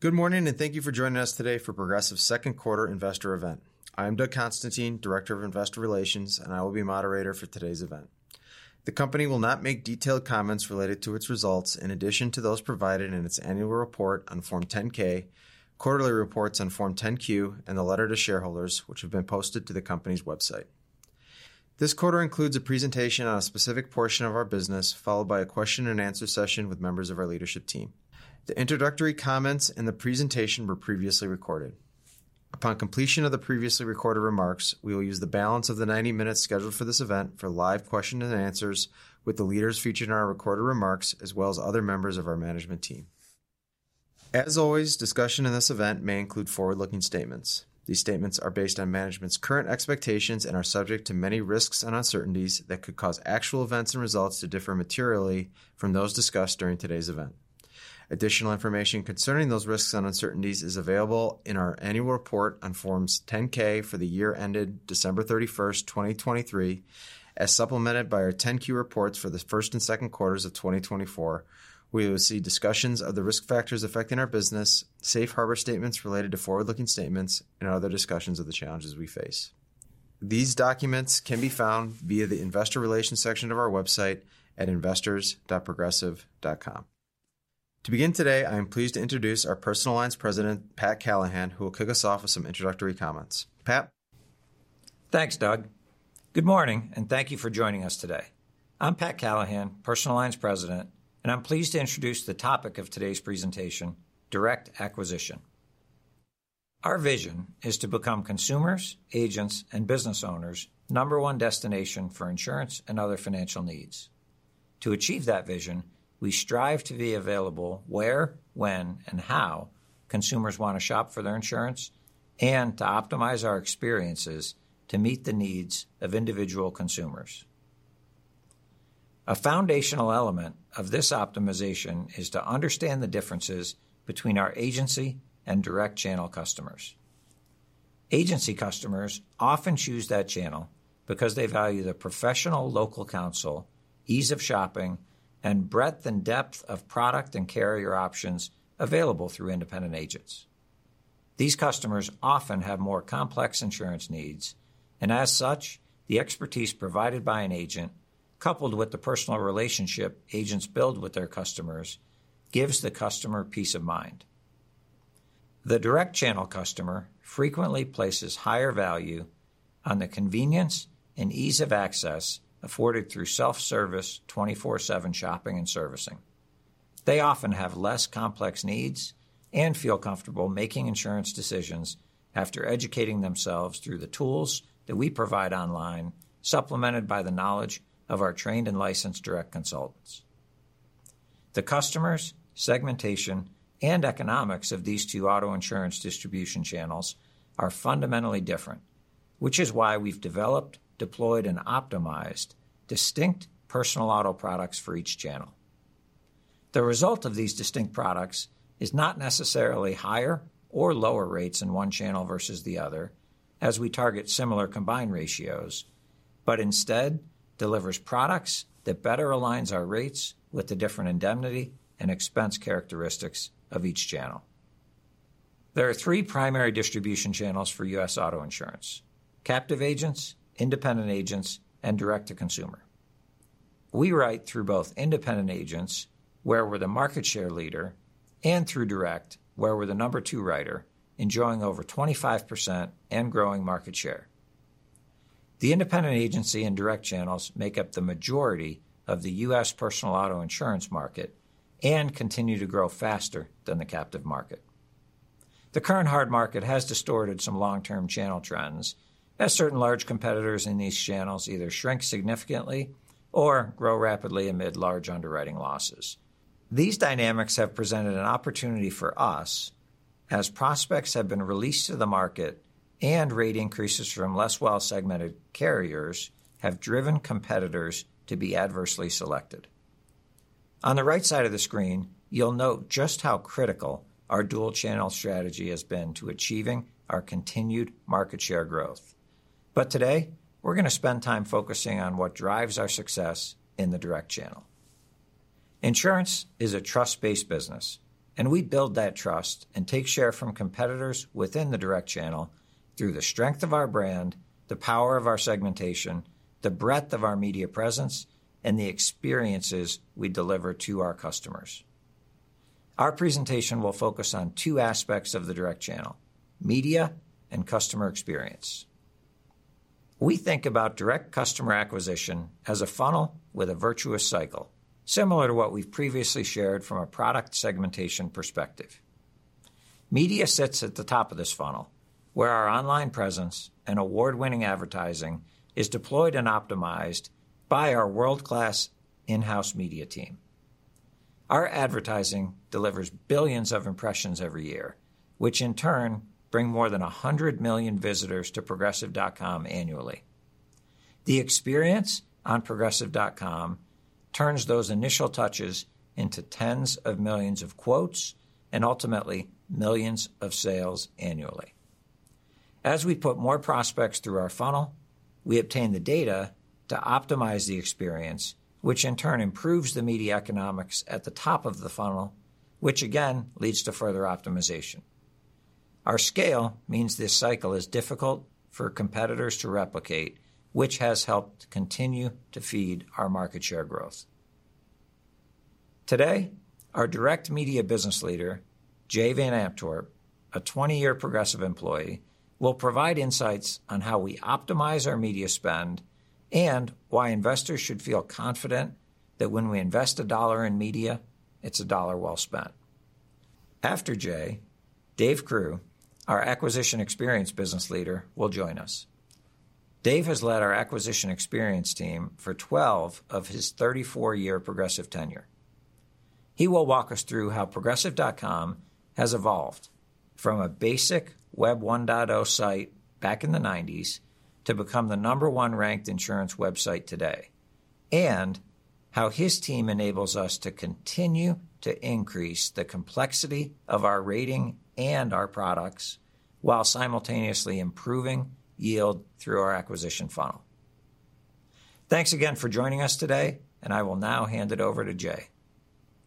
Good morning, and thank you for joining us today for Progressive's second quarter investor event. I am Doug Constantine, Director of Investor Relations, and I will be your moderator for today's event. The company will not make detailed comments related to its results in addition to those provided in its annual report on Form 10-K, quarterly reports on Form 10-Q, and the letter to shareholders, which have been posted to the company's website. This quarter includes a presentation on a specific portion of our business, followed by a question and answer session with members of our leadership team. The introductory comments and the presentation were previously recorded. Upon completion of the previously recorded remarks, we will use the balance of the 90 minutes scheduled for this event for live question and answers with the leaders featured in our recorded remarks, as well as other members of our management team. As always, discussion in this event may include forward-looking statements. These statements are based on management's current expectations and are subject to many risks and uncertainties that could cause actual events and results to differ materially from those discussed during today's event. Additional information concerning those risks and uncertainties is available in our annual report on Form 10-K for the year ended December 31, 2023, as supplemented by our 10-Q reports for the first and second quarters of 2024. We will see discussions of the risk factors affecting our business, safe harbor statements related to forward-looking statements, and other discussions of the challenges we face. These documents can be found via the Investor Relations section of our website at investors.progressive.com. To begin today, I am pleased to introduce our Personal Lines President, Pat Callahan, who will kick us off with some introductory comments. Pat? Thanks, Doug. Good morning, and thank you for joining us today. I'm Pat Callahan, Personal Lines President, and I'm pleased to introduce the topic of today's presentation: Direct Acquisition. Our vision is to become consumers', agents', and business owners' number one destination for insurance and other financial needs. To achieve that vision, we strive to be available where, when, and how consumers want to shop for their insurance and to optimize our experiences to meet the needs of individual consumers. A foundational element of this optimization is to understand the differences between our agency and direct channel customers. Agency customers often choose that channel because they value the professional local counsel, ease of shopping, and breadth and depth of product and carrier options available through independent agents. These customers often have more complex insurance needs, and as such, the expertise provided by an agent, coupled with the personal relationship agents build with their customers, gives the customer peace of mind. The direct channel customer frequently places higher value on the convenience and ease of access afforded through self-service 24/7 shopping and servicing. They often have less complex needs and feel comfortable making insurance decisions after educating themselves through the tools that we provide online, supplemented by the knowledge of our trained and licensed direct consultants. The customer segmentation, and economics of these two auto insurance distribution channels are fundamentally different, which is why we've developed, deployed, and optimized distinct personal auto products for each channel. The result of these distinct products is not necessarily higher or lower rates in one channel versus the other, as we target similar combined ratios, but instead delivers products that better aligns our rates with the different indemnity and expense characteristics of each channel. There are three primary distribution channels for U.S. auto insurance: captive agents, independent agents, and direct-to-consumer. We write through both independent agents, where we're the market share leader, and through direct, where we're the number two writer, enjoying over 25% and growing market share. The independent agency and direct channels make up the majority of the U.S. personal auto insurance market and continue to grow faster than the captive market. The current hard market has distorted some long-term channel trends, as certain large competitors in these channels either shrink significantly or grow rapidly amid large underwriting losses. These dynamics have presented an opportunity for us as prospects have been released to the market, and rate increases from less well-segmented carriers have driven competitors to be adversely selected. On the right side of the screen, you'll note just how critical our dual channel strategy has been to achieving our continued market share growth. But today, we're gonna spend time focusing on what drives our success in the direct channel. Insurance is a trust-based business, and we build that trust and take share from competitors within the direct channel through the strength of our brand, the power of our segmentation, the breadth of our media presence, and the experiences we deliver to our customers. Our presentation will focus on two aspects of the direct channel: media and customer experience. We think about direct customer acquisition as a funnel with a virtuous cycle, similar to what we've previously shared from a product segmentation perspective. Media sits at the top of this funnel, where our online presence and award-winning advertising is deployed and optimized by our world-class in-house media team. Our advertising delivers billions of impressions every year, which in turn bring more than 100 million visitors to progressive.com annually. The experience on progressive.com turns those initial touches into tens of millions of quotes and ultimately millions of sales annually. As we put more prospects through our funnel, we obtain the data to optimize the experience, which in turn improves the media economics at the top of the funnel, which again, leads to further optimization. Our scale means this cycle is difficult for competitors to replicate, which has helped continue to feed our market share growth. Today, our Direct Media Business Leader, Jay Van Antwerp, a 20-year Progressive employee, will provide insights on how we optimize our media spend and why investors should feel confident that when we invest a dollar in media, it's a dollar well spent. After Jay, Dave Crew, our Acquisition Experience Business Leader, will join us. Dave has led our acquisition experience team for 12 of his 34-year Progressive tenure. He will walk us through how Progressive.com has evolved from a basic Web 1.0 site back in the 1990s to become the number one ranked insurance website today, and how his team enables us to continue to increase the complexity of our rating and our products, while simultaneously improving yield through our acquisition funnel. Thanks again for joining us today, and I will now hand it over to Jay.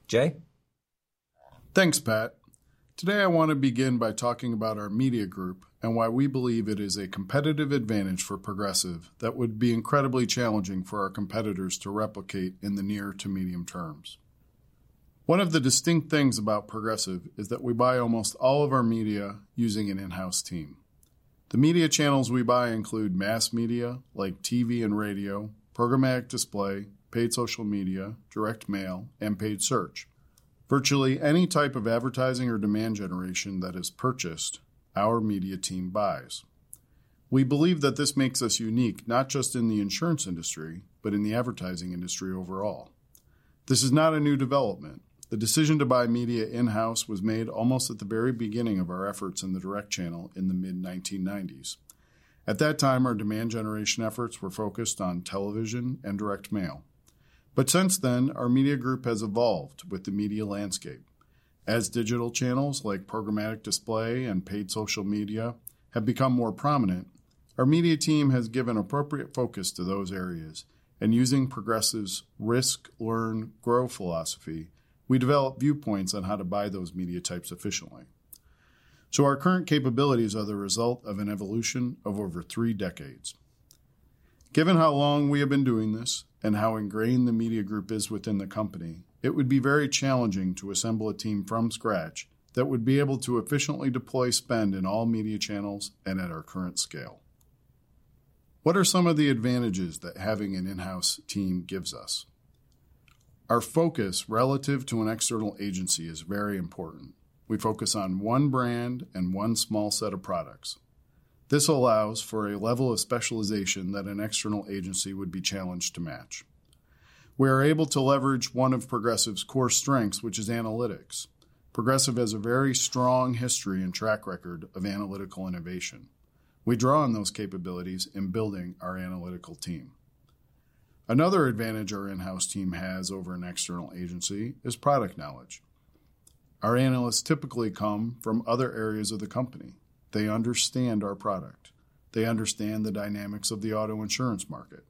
Jay? Thanks, Pat. Today, I want to begin by talking about our media group and why we believe it is a competitive advantage for Progressive that would be incredibly challenging for our competitors to replicate in the near to medium terms. One of the distinct things about Progressive is that we buy almost all of our media using an in-house team. The media channels we buy include mass media, like TV and radio, programmatic display, paid social media, direct mail, and paid search. Virtually any type of advertising or demand generation that is purchased, our media team buys. We believe that this makes us unique, not just in the insurance industry, but in the advertising industry overall. This is not a new development. The decision to buy media in-house was made almost at the very beginning of our efforts in the Direct Channel in the mid-1990s. At that time, our demand generation efforts were focused on television and direct mail. But since then, our media group has evolved with the media landscape. As digital channels like programmatic display and paid social media have become more prominent, our media team has given appropriate focus to those areas, and using Progressive's Risk, Learn, Grow philosophy, we develop viewpoints on how to buy those media types efficiently. So our current capabilities are the result of an evolution of over three decades. Given how long we have been doing this and how ingrained the media group is within the company, it would be very challenging to assemble a team from scratch that would be able to efficiently deploy spend in all media channels and at our current scale. What are some of the advantages that having an in-house team gives us? Our focus relative to an external agency is very important. We focus on one brand and one small set of products. This allows for a level of specialization that an external agency would be challenged to match. We are able to leverage one of Progressive's core strengths, which is analytics. Progressive has a very strong history and track record of analytical innovation. We draw on those capabilities in building our analytical team. Another advantage our in-house team has over an external agency is product knowledge. Our analysts typically come from other areas of the company. They understand our product. They understand the dynamics of the auto insurance market.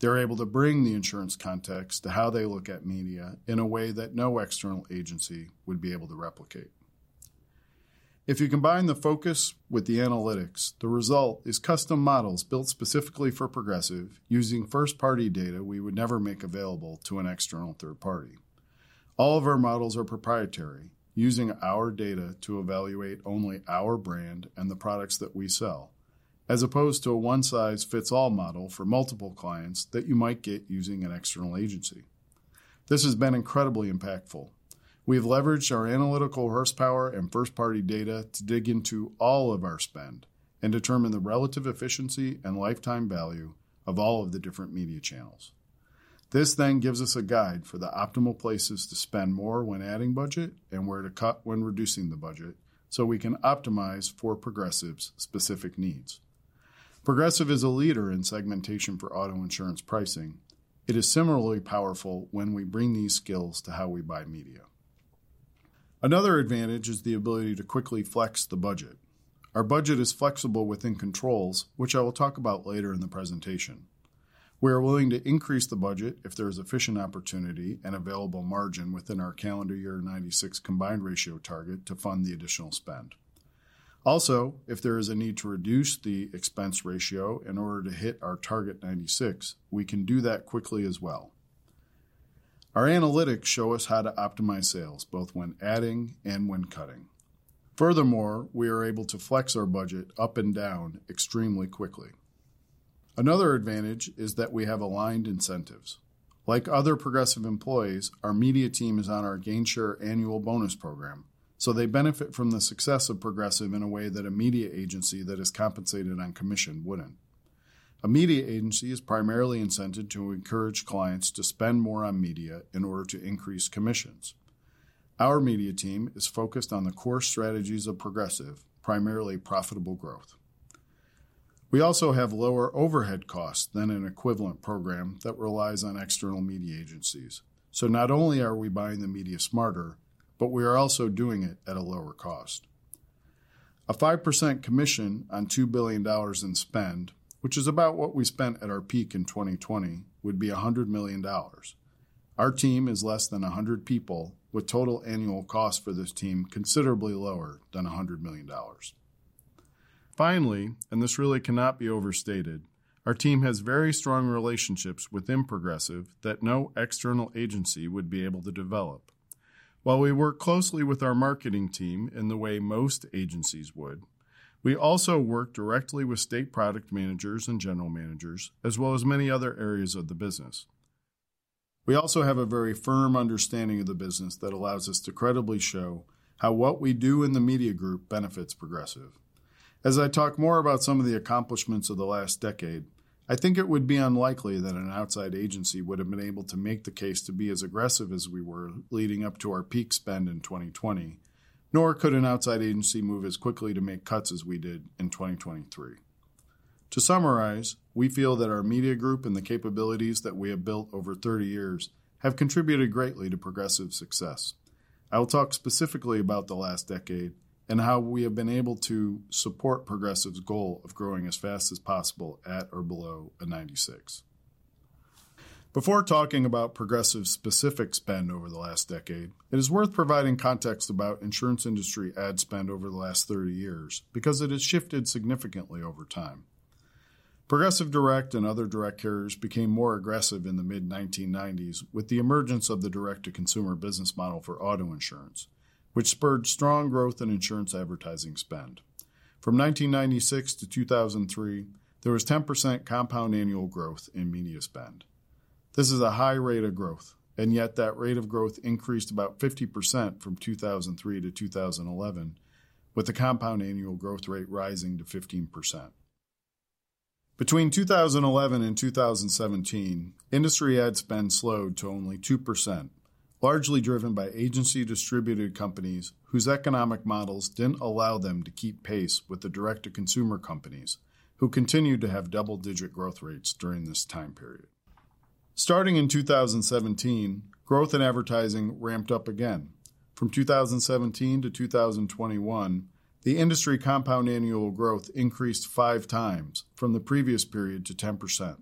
They're able to bring the insurance context to how they look at media in a way that no external agency would be able to replicate. If you combine the focus with the analytics, the result is custom models built specifically for Progressive using first-party data we would never make available to an external third party. All of our models are proprietary, using our data to evaluate only our brand and the products that we sell, as opposed to a one-size-fits-all model for multiple clients that you might get using an external agency. This has been incredibly impactful. We've leveraged our analytical horsepower and first-party data to dig into all of our spend and determine the relative efficiency and lifetime value of all of the different media channels. This then gives us a guide for the optimal places to spend more when adding budget and where to cut when reducing the budget, so we can optimize for Progressive's specific needs. Progressive is a leader in segmentation for auto insurance pricing. It is similarly powerful when we bring these skills to how we buy media. Another advantage is the ability to quickly flex the budget. Our budget is flexible within controls, which I will talk about later in the presentation. We are willing to increase the budget if there is efficient opportunity and available margin within our calendar year 96 combined ratio target to fund the additional spend. Also, if there is a need to reduce the expense ratio in order to hit our target 96, we can do that quickly as well. Our analytics show us how to optimize sales, both when adding and when cutting. Furthermore, we are able to flex our budget up and down extremely quickly. Another advantage is that we have aligned incentives. Like other Progressive employees, our media team is on our Gainshare annual bonus program, so they benefit from the success of Progressive in a way that a media agency that is compensated on commission wouldn't. A media agency is primarily incented to encourage clients to spend more on media in order to increase commissions. Our media team is focused on the core strategies of Progressive, primarily profitable growth. We also have lower overhead costs than an equivalent program that relies on external media agencies. So not only are we buying the media smarter, but we are also doing it at a lower cost. A 5% commission on $2 billion in spend, which is about what we spent at our peak in 2020, would be $100 million. Our team is less than 100 people, with total annual cost for this team considerably lower than $100 million. Finally, and this really cannot be overstated, our team has very strong relationships within Progressive that no external agency would be able to develop. While we work closely with our marketing team in the way most agencies would, we also work directly with state product managers and general managers, as well as many other areas of the business. We also have a very firm understanding of the business that allows us to credibly show how what we do in the media group benefits Progressive. As I talk more about some of the accomplishments of the last decade, I think it would be unlikely that an outside agency would have been able to make the case to be as aggressive as we were leading up to our peak spend in 2020, nor could an outside agency move as quickly to make cuts as we did in 2023. To summarize, we feel that our media group and the capabilities that we have built over 30 years have contributed greatly to Progressive's success. I will talk specifically about the last decade and how we have been able to support Progressive's goal of growing as fast as possible at or below a 96. Before talking about Progressive's specific spend over the last decade, it is worth providing context about insurance industry ad spend over the last 30 years, because it has shifted significantly over time. Progressive Direct and other direct carriers became more aggressive in the mid-1990s with the emergence of the direct-to-consumer business model for auto insurance, which spurred strong growth in insurance advertising spend. From 1996 to 2003, there was 10% compound annual growth in media spend. This is a high rate of growth, and yet that rate of growth increased about 50% from 2003 to 2011, with the compound annual growth rate rising to 15%. Between 2011 and 2017, industry ad spend slowed to only 2%, largely driven by agency-distributed companies whose economic models didn't allow them to keep pace with the direct-to-consumer companies, who continued to have double-digit growth rates during this time period. Starting in 2017, growth in advertising ramped up again. From 2017 to 2021, the industry compound annual growth increased five times from the previous period to 10%.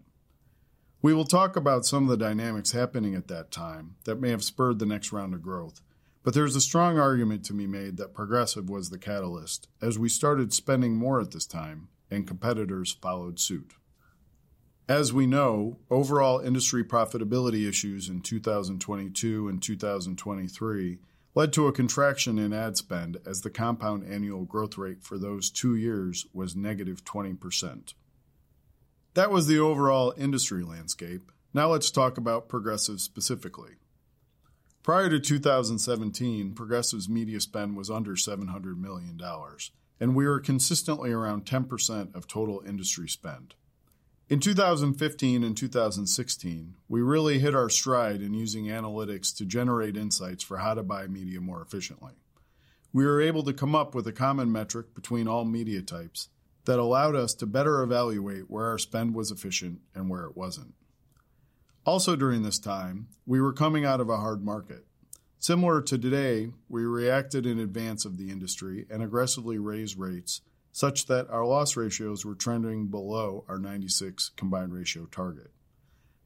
We will talk about some of the dynamics happening at that time that may have spurred the next round of growth, but there's a strong argument to be made that Progressive was the catalyst as we started spending more at this time and competitors followed suit. As we know, overall industry profitability issues in 2022 and 2023 led to a contraction in ad spend, as the compound annual growth rate for those two years was negative 20%. That was the overall industry landscape. Now let's talk about Progressive specifically. Prior to 2017, Progressive's media spend was under $700 million, and we were consistently around 10% of total industry spend. In 2015 and 2016, we really hit our stride in using analytics to generate insights for how to buy media more efficiently. We were able to come up with a common metric between all media types that allowed us to better evaluate where our spend was efficient and where it wasn't. Also, during this time, we were coming out of a hard market. Similar to today, we reacted in advance of the industry and aggressively raised rates such that our loss ratios were trending below our 96 Combined Ratio target.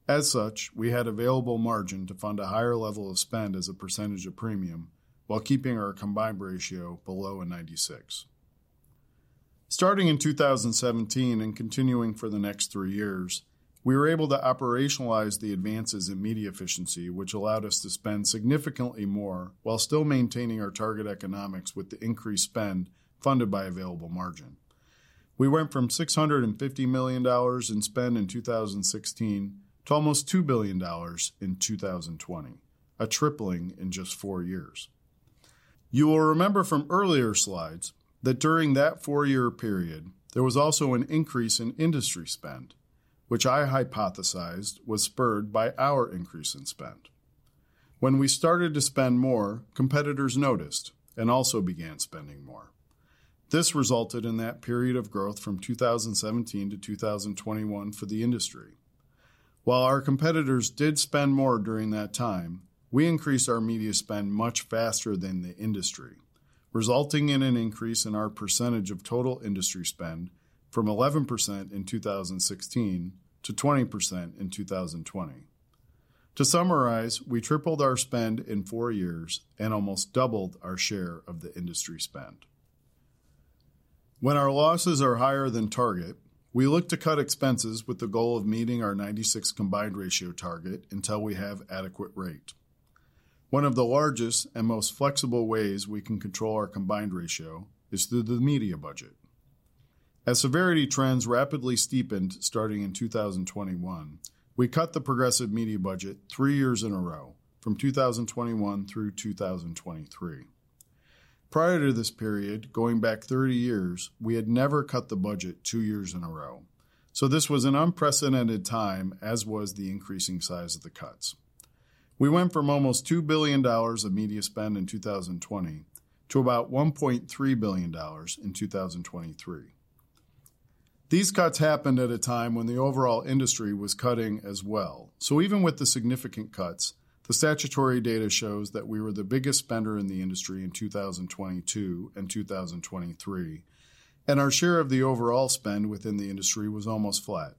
As such, we had available margin to fund a higher level of spend as a percentage of premium while keeping our Combined Ratio below a 96. Starting in 2017 and continuing for the next three years, we were able to operationalize the advances in media efficiency, which allowed us to spend significantly more while still maintaining our target economics with the increased spend funded by available margin. We went from $650 million in spend in 2016 to almost $2 billion in 2020, a tripling in just four years. You will remember from earlier slides that during that four-year period, there was also an increase in industry spend, which I hypothesized was spurred by our increase in spend. When we started to spend more, competitors noticed and also began spending more. This resulted in that period of growth from 2017 to 2021 for the industry. While our competitors did spend more during that time, we increased our media spend much faster than the industry, resulting in an increase in our percentage of total industry spend from 11% in 2016 to 20% in 2020. To summarize, we tripled our spend in four years and almost doubled our share of the industry spend. When our losses are higher than target, we look to cut expenses with the goal of meeting our 96 Combined Ratio target until we have adequate rate. One of the largest and most flexible ways we can control our Combined Ratio is through the media budget. As severity trends rapidly steepened starting in 2021, we cut the Progressive media budget 3 years in a row from 2021 through 2023. Prior to this period, going back 30 years, we had never cut the budget 2 years in a row, so this was an unprecedented time, as was the increasing size of the cuts.... We went from almost $2 billion of media spend in 2020, to about $1.3 billion in 2023. These cuts happened at a time when the overall industry was cutting as well. So even with the significant cuts, the statutory data shows that we were the biggest spender in the industry in 2022 and 2023, and our share of the overall spend within the industry was almost flat,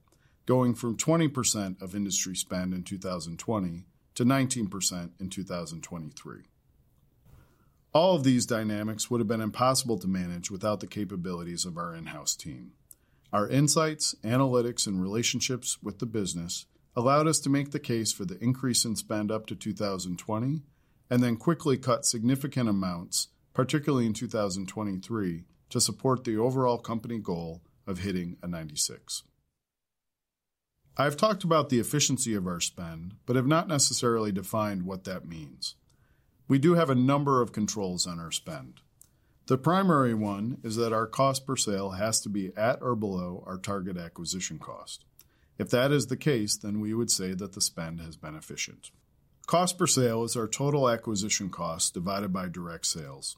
going from 20% of industry spend in 2020 to 19% in 2023. All of these dynamics would have been impossible to manage without the capabilities of our in-house team. Our insights, analytics, and relationships with the business allowed us to make the case for the increase in spend up to 2020, and then quickly cut significant amounts, particularly in 2023, to support the overall company goal of hitting a 96. I've talked about the efficiency of our spend, but have not necessarily defined what that means. We do have a number of controls on our spend. The primary one is that our cost per sale has to be at or below our target acquisition cost. If that is the case, then we would say that the spend has been efficient. Cost per sale is our total acquisition cost divided by direct sales.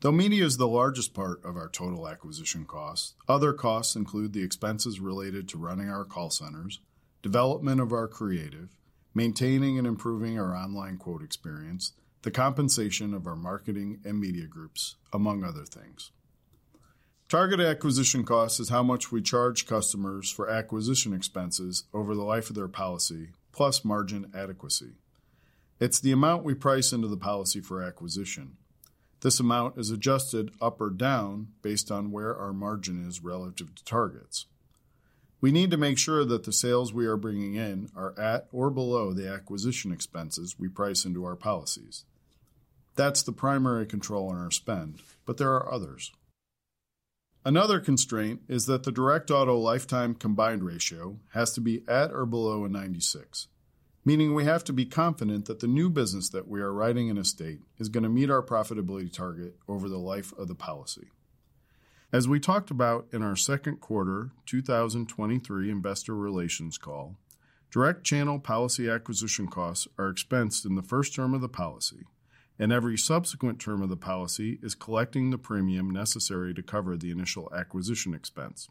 Though media is the largest part of our total acquisition costs, other costs include the expenses related to running our call centers, development of our creative, maintaining and improving our online quote experience, the compensation of our marketing and media groups, among other things. Target acquisition cost is how much we charge customers for acquisition expenses over the life of their policy, plus margin adequacy. It's the amount we price into the policy for acquisition. This amount is adjusted up or down based on where our margin is relative to targets. We need to make sure that the sales we are bringing in are at or below the acquisition expenses we price into our policies. That's the primary control on our spend, but there are others. Another constraint is that the direct auto lifetime combined ratio has to be at or below 96, meaning we have to be confident that the new business that we are writing in a state is going to meet our profitability target over the life of the policy. As we talked about in our second quarter 2023 investor relations call, direct channel policy acquisition costs are expensed in the first term of the policy, and every subsequent term of the policy is collecting the premium necessary to cover the initial acquisition expense.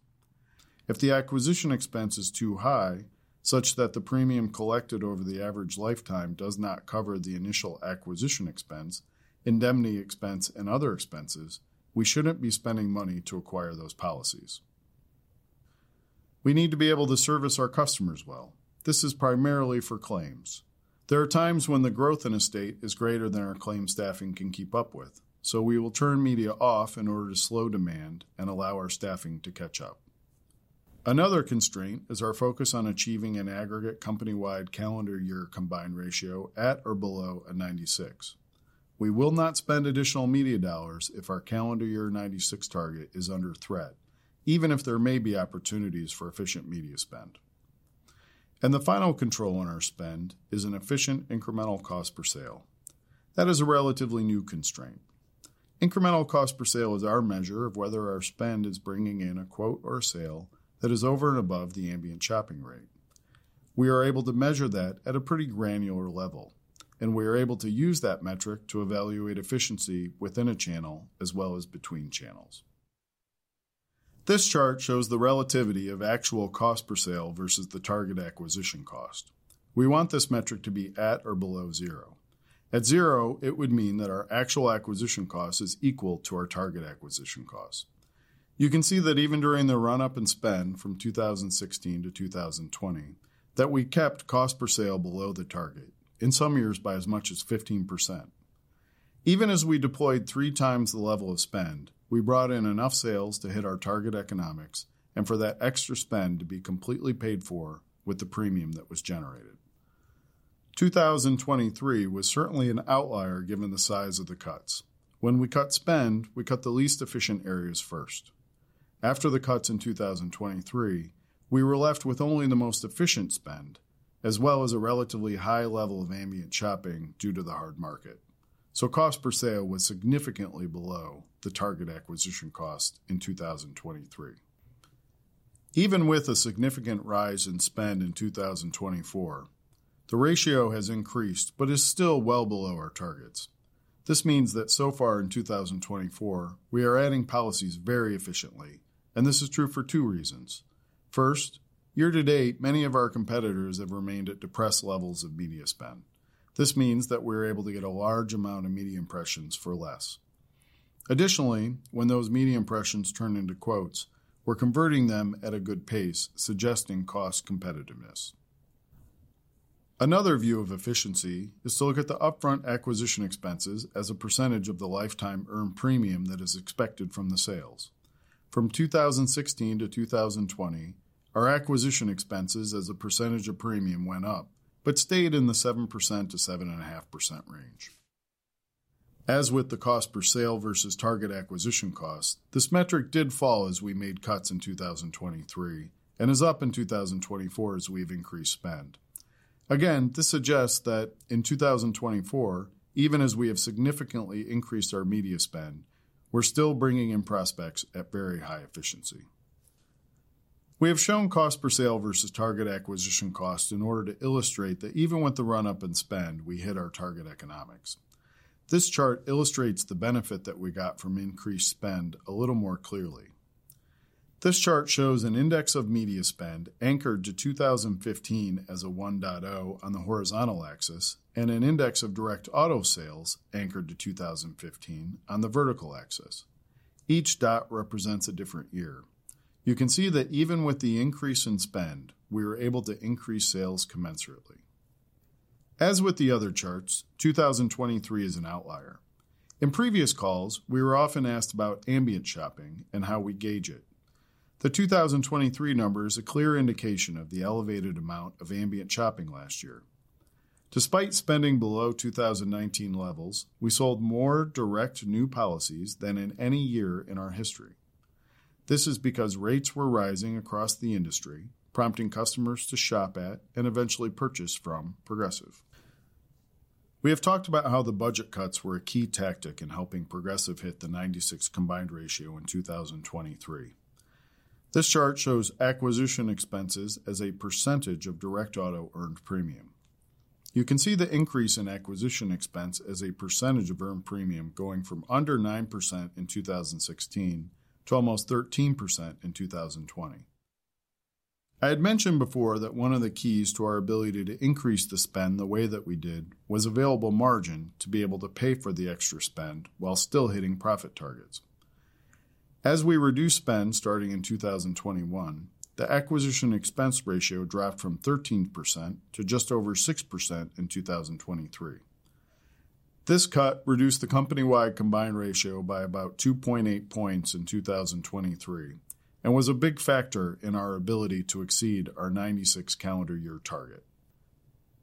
If the acquisition expense is too high, such that the premium collected over the average lifetime does not cover the initial acquisition expense, indemnity expense, and other expenses, we shouldn't be spending money to acquire those policies. We need to be able to service our customers well. This is primarily for claims. There are times when the growth in a state is greater than our claim staffing can keep up with, so we will turn media off in order to slow demand and allow our staffing to catch up. Another constraint is our focus on achieving an aggregate company-wide calendar year combined ratio at or below a 96. We will not spend additional media dollars if our calendar year 96 target is under threat, even if there may be opportunities for efficient media spend. The final control on our spend is an efficient incremental cost per sale. That is a relatively new constraint. Incremental Cost Per Sale is our measure of whether our spend is bringing in a quote or a sale that is over and above the ambient shopping rate. We are able to measure that at a pretty granular level, and we are able to use that metric to evaluate efficiency within a channel as well as between channels. This chart shows the relativity of Actual Cost Per Sale versus the target acquisition cost. We want this metric to be at or below zero. At zero, it would mean that our actual acquisition cost is equal to our target acquisition cost. You can see that even during the run-up in spend from 2016 to 2020, that we kept Cost Per Sale below the target, in some years by as much as 15%. Even as we deployed 3 times the level of spend, we brought in enough sales to hit our target economics and for that extra spend to be completely paid for with the premium that was generated. 2023 was certainly an outlier, given the size of the cuts. When we cut spend, we cut the least efficient areas first. After the cuts in 2023, we were left with only the most efficient spend, as well as a relatively high level of ambient shopping due to the hard market. So cost per sale was significantly below the target acquisition cost in 2023. Even with a significant rise in spend in 2024, the ratio has increased but is still well below our targets. This means that so far in 2024, we are adding policies very efficiently, and this is true for two reasons. First, year to date, many of our competitors have remained at depressed levels of media spend. This means that we're able to get a large amount of media impressions for less. Additionally, when those media impressions turn into quotes, we're converting them at a good pace, suggesting cost competitiveness. Another view of efficiency is to look at the upfront acquisition expenses as a percentage of the lifetime earned premium that is expected from the sales. From 2016 to 2020, our acquisition expenses as a percentage of premium went up, but stayed in the 7%-7.5% range. As with the cost per sale versus target acquisition cost, this metric did fall as we made cuts in 2023 and is up in 2024 as we've increased spend. Again, this suggests that in 2024, even as we have significantly increased our media spend, we're still bringing in prospects at very high efficiency. We have shown cost per sale versus target acquisition cost in order to illustrate that even with the run-up in spend, we hit our target economics. This chart illustrates the benefit that we got from increased spend a little more clearly. This chart shows an index of media spend anchored to 2015 as a 1.0 on the horizontal axis, and an index of direct auto sales anchored to 2015 on the vertical axis. Each dot represents a different year. You can see that even with the increase in spend, we were able to increase sales commensurately. As with the other charts, 2023 is an outlier. In previous calls, we were often asked about ambient shopping and how we gauge it. The 2023 number is a clear indication of the elevated amount of ambient shopping last year. Despite spending below 2019 levels, we sold more direct new policies than in any year in our history. This is because rates were rising across the industry, prompting customers to shop at, and eventually purchase from, Progressive. We have talked about how the budget cuts were a key tactic in helping Progressive hit the 96 combined ratio in 2023. This chart shows acquisition expenses as a percentage of direct auto earned premium. You can see the increase in acquisition expense as a percentage of earned premium going from under 9% in 2016 to almost 13% in 2020. I had mentioned before that one of the keys to our ability to increase the spend the way that we did was available margin to be able to pay for the extra spend while still hitting profit targets. As we reduced spend starting in 2021, the acquisition expense ratio dropped from 13% to just over 6% in 2023. This cut reduced the company-wide combined ratio by about 2.8 points in 2023 and was a big factor in our ability to exceed our 96 calendar year target.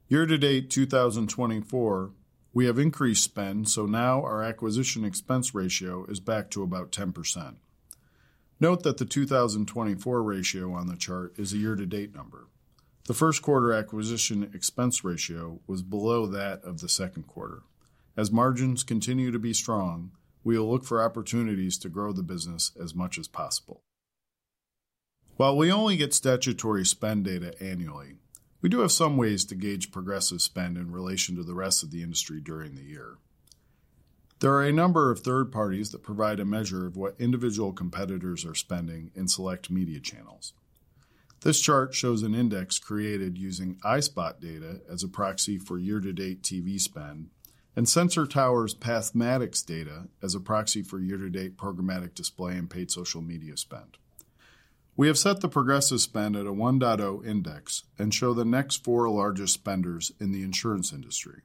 Year to date, 2024, we have increased spend, so now our acquisition expense ratio is back to about 10%. Note that the 2024 ratio on the chart is a year-to-date number. The first quarter acquisition expense ratio was below that of the second quarter. As margins continue to be strong, we will look for opportunities to grow the business as much as possible. While we only get statutory spend data annually, we do have some ways to gauge Progressive spend in relation to the rest of the industry during the year. There are a number of third parties that provide a measure of what individual competitors are spending in select media channels. This chart shows an index created using iSpot data as a proxy for year-to-date TV spend, and Sensor Tower's Pathmatics data as a proxy for year-to-date programmatic display and paid social media spend. We have set the Progressive spend at a 1.0 index and show the next four largest spenders in the insurance industry.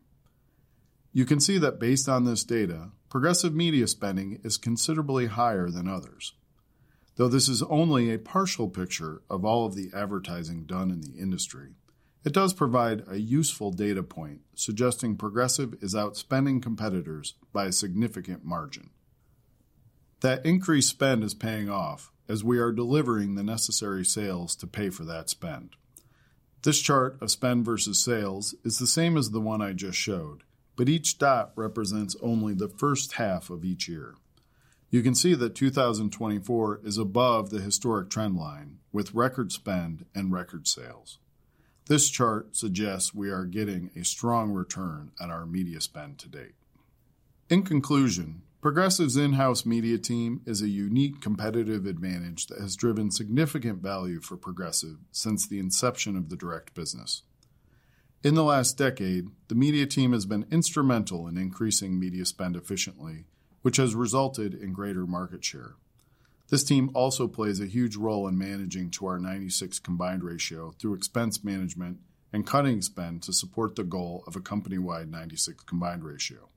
You can see that based on this data, Progressive media spending is considerably higher than others. Though this is only a partial picture of all of the advertising done in the industry, it does provide a useful data point, suggesting Progressive is outspending competitors by a significant margin. That increased spend is paying off as we are delivering the necessary sales to pay for that spend. This chart of spend versus sales is the same as the one I just showed, but each dot represents only the first half of each year. You can see that 2024 is above the historic trend line, with record spend and record sales. This chart suggests we are getting a strong return on our media spend to date. In conclusion, Progressive's in-house media team is a unique competitive advantage that has driven significant value for Progressive since the inception of the direct business. In the last decade, the media team has been instrumental in increasing media spend efficiently, which has resulted in greater market share. This team also plays a huge role in managing to our 96 combined ratio through expense management and cutting spend to support the goal of a company-wide 96 combined ratio.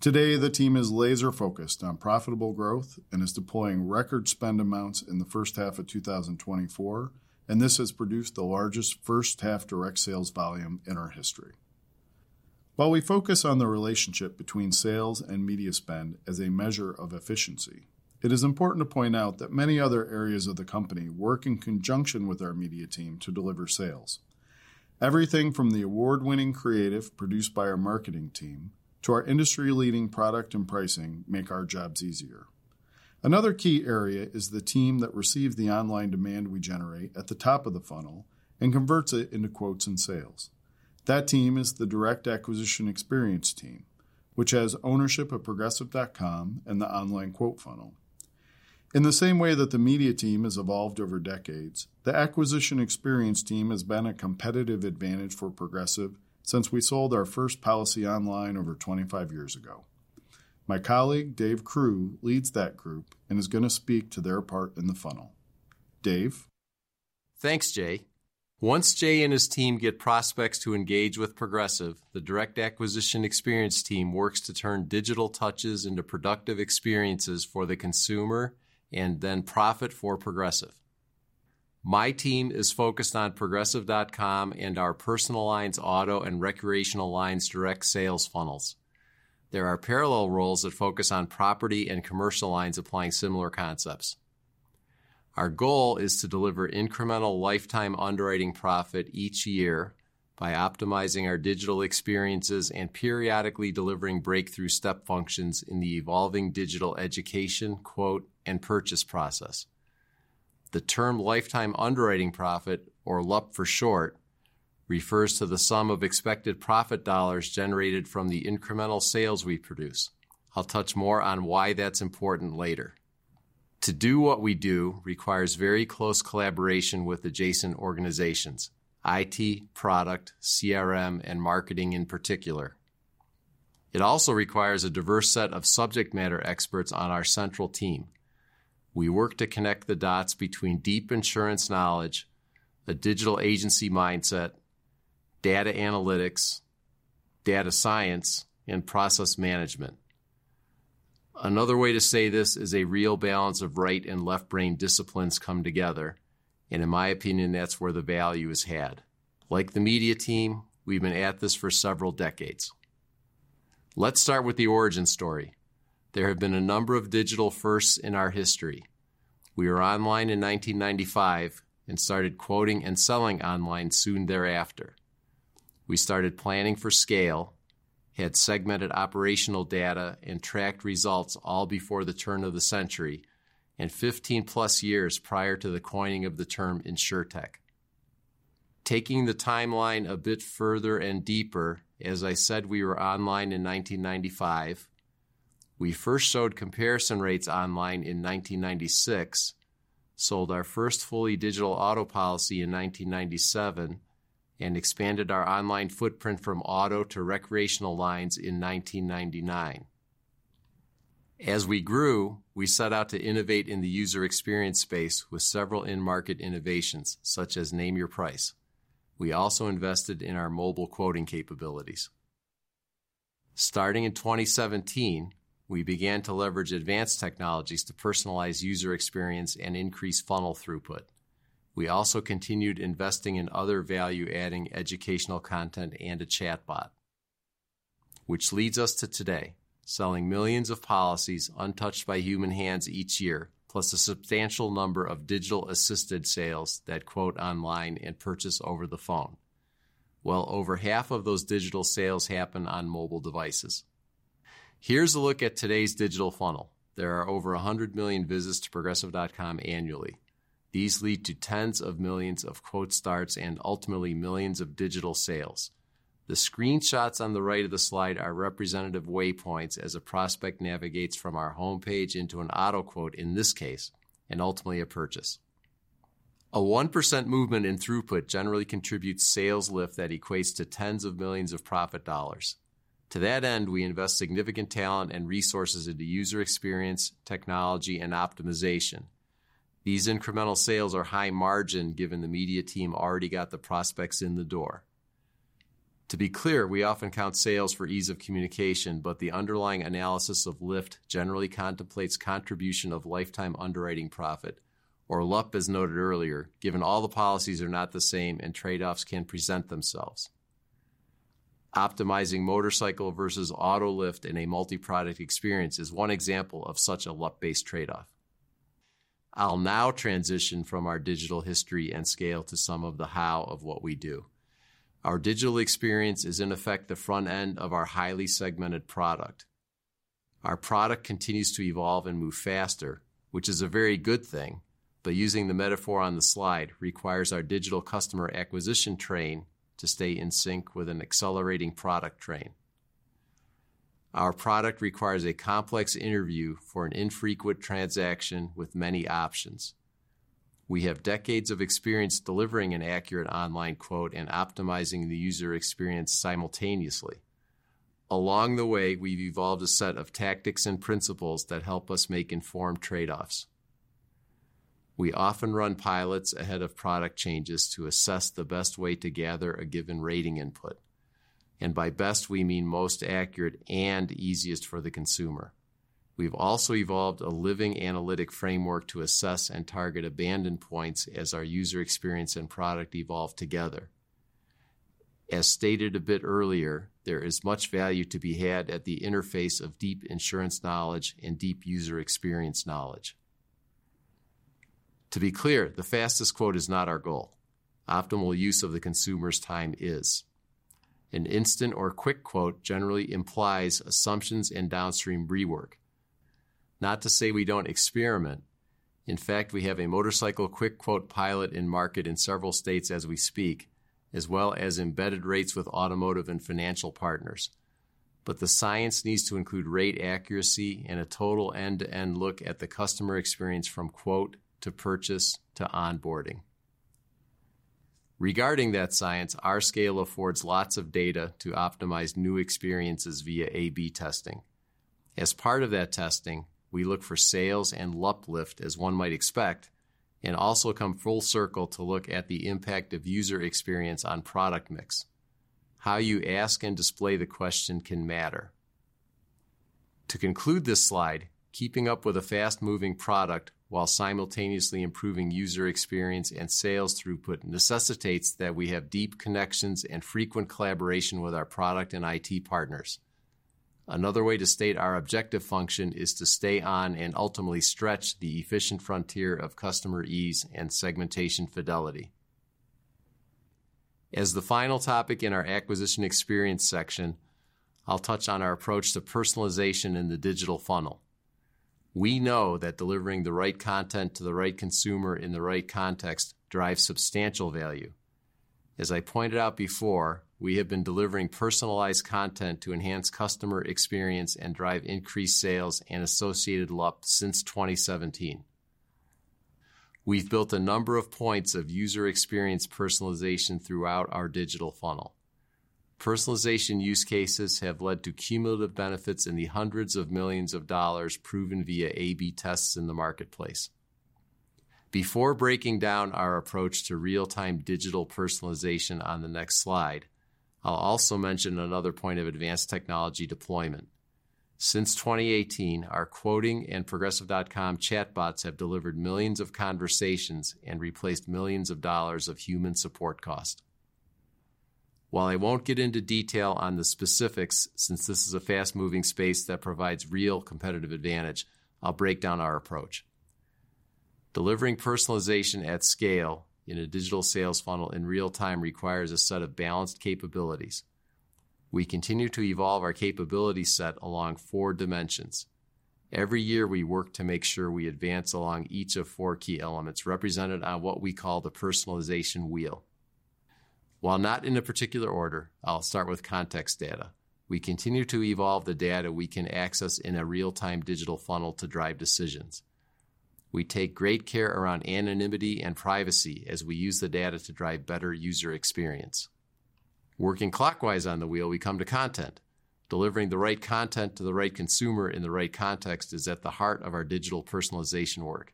Today, the team is laser-focused on profitable growth and is deploying record spend amounts in the first half of 2024, and this has produced the largest first-half direct sales volume in our history. While we focus on the relationship between sales and media spend as a measure of efficiency, it is important to point out that many other areas of the company work in conjunction with our media team to deliver sales. Everything from the award-winning creative produced by our marketing team to our industry-leading product and pricing make our jobs easier. Another key area is the team that received the online demand we generate at the top of the funnel and converts it into quotes and sales. That team is the Direct Acquisition Experience team, which has ownership of progressive.com and the online quote funnel. In the same way that the media team has evolved over decades, the Acquisition Experience team has been a competitive advantage for Progressive since we sold our first policy online over 25 years ago. My colleague, Dave Crew, leads that group and is going to speak to their part in the funnel. Dave? Thanks, Jay. Once Jay and his team get prospects to engage with Progressive, the Direct Acquisition Experience team works to turn digital touches into productive experiences for the consumer and then profit for Progressive. My team is focused on progressive.com and our personal lines, auto, and recreational lines direct sales funnels. There are parallel roles that focus on property and commercial lines applying similar concepts. Our goal is to deliver incremental lifetime underwriting profit each year... By optimizing our digital experiences and periodically delivering breakthrough step functions in the evolving digital education, quote, and purchase process. The term lifetime underwriting profit, or LUP for short, refers to the sum of expected profit dollars generated from the incremental sales we produce. I'll touch more on why that's important later. To do what we do requires very close collaboration with adjacent organizations: IT, product, CRM, and marketing in particular. It also requires a diverse set of subject matter experts on our central team. We work to connect the dots between deep insurance knowledge, a digital agency mindset, data analytics, data science, and process management. Another way to say this is a real balance of right and left brain disciplines come together, and in my opinion, that's where the value is had. Like the media team, we've been at this for several decades. Let's start with the origin story. There have been a number of digital firsts in our history. We were online in 1995 and started quoting and selling online soon thereafter. We started planning for scale, had segmented operational data, and tracked results all before the turn of the century, and 15+ years prior to the coining of the term Insurtech. Taking the timeline a bit further and deeper, as I said, we were online in 1995. We first showed comparison rates online in 1996, sold our first fully digital auto policy in 1997, and expanded our online footprint from auto to recreational lines in 1999. As we grew, we set out to innovate in the user experience space with several in-market innovations, such as Name Your Price. We also invested in our mobile quoting capabilities. Starting in 2017, we began to leverage advanced technologies to personalize user experience and increase funnel throughput. We also continued investing in other value-adding educational content and a chatbot, which leads us to today, selling millions of policies untouched by human hands each year, plus a substantial number of digital-assisted sales that quote online and purchase over the phone, while over half of those digital sales happen on mobile devices. Here's a look at today's digital funnel. There are over 100 million visits to progressive.com annually. These lead to tens of millions of quote starts and ultimately millions of digital sales. The screenshots on the right of the slide are representative waypoints as a prospect navigates from our homepage into an auto quote, in this case, and ultimately a purchase. A 1% movement in throughput generally contributes sales lift that equates to $ tens of millions of profit dollars. To that end, we invest significant talent and resources into user experience, technology, and optimization. These incremental sales are high margin, given the media team already got the prospects in the door. To be clear, we often count sales for ease of communication, but the underlying analysis of lift generally contemplates contribution of lifetime underwriting profit, or LUP, as noted earlier, given all the policies are not the same and trade-offs can present themselves. Optimizing motorcycle versus auto lift in a multi-product experience is one example of such a LUP-based trade-off. I'll now transition from our digital history and scale to some of the how of what we do. Our digital experience is, in effect, the front end of our highly segmented product. Our product continues to evolve and move faster, which is a very good thing, but using the metaphor on the slide requires our digital customer acquisition train to stay in sync with an accelerating product train. Our product requires a complex interview for an infrequent transaction with many options. We have decades of experience delivering an accurate online quote and optimizing the user experience simultaneously. Along the way, we've evolved a set of tactics and principles that help us make informed trade-offs. We often run pilots ahead of product changes to assess the best way to gather a given rating input, and by best, we mean most accurate and easiest for the consumer. We've also evolved a living analytic framework to assess and target abandoned points as our user experience and product evolve together. As stated a bit earlier, there is much value to be had at the interface of deep insurance knowledge and deep user experience knowledge. To be clear, the fastest quote is not our goal. Optimal use of the consumer's time is. An instant or quick quote generally implies assumptions and downstream rework. Not to say we don't experiment. In fact, we have a motorcycle quick quote pilot in market in several states as we speak, as well as embedded rates with automotive and financial partners. But the science needs to include rate accuracy and a total end-to-end look at the customer experience from quote, to purchase, to onboarding. Regarding that science, our scale affords lots of data to optimize new experiences via AB testing. As part of that testing, we look for sales and LUP lift, as one might expect, and also come full circle to look at the impact of user experience on product mix. How you ask and display the question can matter. To conclude this slide, keeping up with a fast-moving product while simultaneously improving user experience and sales throughput necessitates that we have deep connections and frequent collaboration with our product and IT partners.... Another way to state our objective function is to stay on and ultimately stretch the efficient frontier of customer ease and segmentation fidelity. As the final topic in our acquisition experience section, I'll touch on our approach to personalization in the digital funnel. We know that delivering the right content to the right consumer in the right context drives substantial value. As I pointed out before, we have been delivering personalized content to enhance customer experience and drive increased sales and associated LUP since 2017. We've built a number of points of user experience personalization throughout our digital funnel. Personalization use cases have led to cumulative benefits in the $hundreds of millions, proven via AB tests in the marketplace. Before breaking down our approach to real-time digital personalization on the next slide, I'll also mention another point of advanced technology deployment. Since 2018, our quoting and progressive.com chatbots have delivered millions of conversations and replaced $ millions of human support cost. While I won't get into detail on the specifics, since this is a fast-moving space that provides real competitive advantage, I'll break down our approach. Delivering personalization at scale in a digital sales funnel in real time requires a set of balanced capabilities. We continue to evolve our capability set along four dimensions. Every year, we work to make sure we advance along each of four key elements, represented on what we call the personalization wheel. While not in a particular order, I'll start with context data. We continue to evolve the data we can access in a real-time digital funnel to drive decisions. We take great care around anonymity and privacy as we use the data to drive better user experience. Working clockwise on the wheel, we come to content. Delivering the right content to the right consumer in the right context is at the heart of our digital personalization work.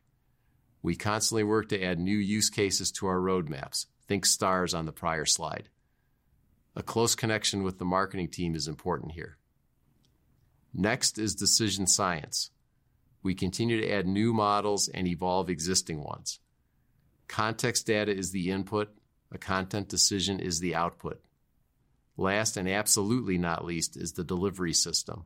We constantly work to add new use cases to our roadmaps. Think stars on the prior slide. A close connection with the marketing team is important here. Next is decision science. We continue to add new models and evolve existing ones. Context data is the input, a content decision is the output. Last, and absolutely not least, is the delivery system.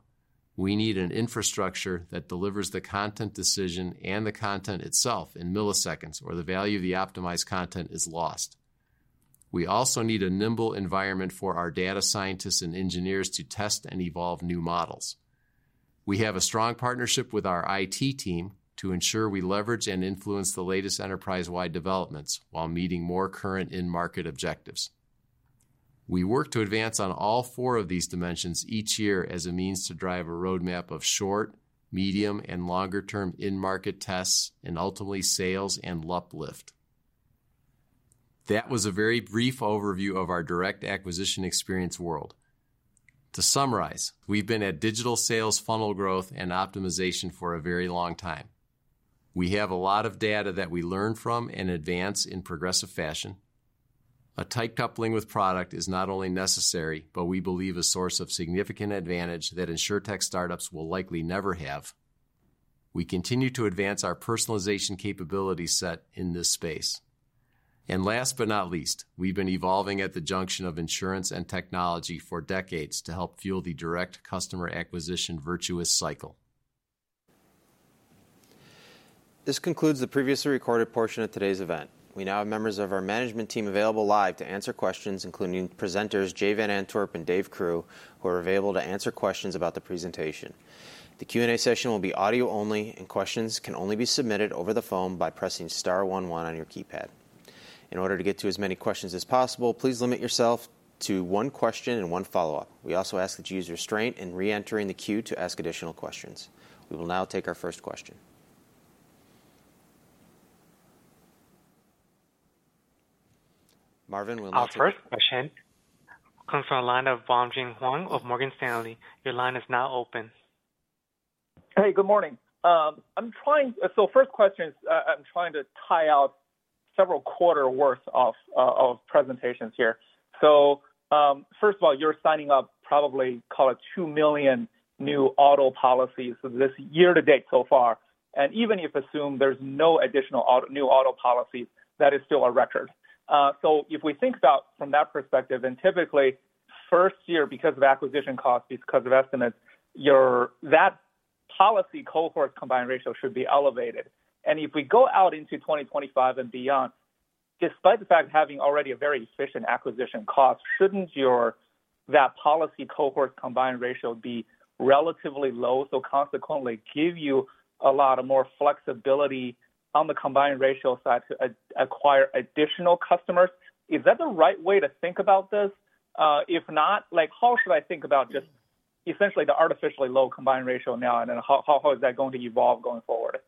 We need an infrastructure that delivers the content decision and the content itself in milliseconds, or the value of the optimized content is lost. We also need a nimble environment for our data scientists and engineers to test and evolve new models. We have a strong partnership with our IT team to ensure we leverage and influence the latest enterprise-wide developments while meeting more current in-market objectives. We work to advance on all four of these dimensions each year as a means to drive a roadmap of short, medium, and longer-term in-market tests and ultimately sales and LUP lift. That was a very brief overview of our direct acquisition experience world. To summarize, we've been at digital sales funnel growth and optimization for a very long time. We have a lot of data that we learn from and advance in progressive fashion. A tight coupling with product is not only necessary, but we believe a source of significant advantage that insurtech startups will likely never have. We continue to advance our personalization capability set in this space. Last but not least, we've been evolving at the junction of insurance and technology for decades to help fuel the direct customer acquisition virtuous cycle. This concludes the previously recorded portion of today's event. We now have members of our management team available live to answer questions, including presenters, Jay Van Antwerp and Dave Crew, who are available to answer questions about the presentation. The Q&A session will be audio only, and questions can only be submitted over the phone by pressing star one one on your keypad. In order to get to as many questions as possible, please limit yourself to one question and one follow-up. We also ask that you use restraint in reentering the queue to ask additional questions. We will now take our first question. Marvin, we'll listen- Our first question comes from the line of Bongjin Huang of Morgan Stanley. Your line is now open. Hey, good morning. So first question is, I'm trying to tie out several quarters worth of presentations here. So, first of all, you're signing up probably, call it 2 million new auto policies this year to date so far, and even if assume there's no additional new auto policies, that is still a record. So if we think about from that perspective, and typically, first year, because of acquisition costs, because of estimates, that policy cohort combined ratio should be elevated. And if we go out into 2025 and beyond, despite the fact having already a very efficient acquisition cost, shouldn't that policy cohort combined ratio be relatively low, so consequently give you a lot of more flexibility on the combined ratio side to acquire additional customers? Is that the right way to think about this? If not, like, how should I think about just essentially the artificially low combined ratio now, and then how is that going to evolve going forward?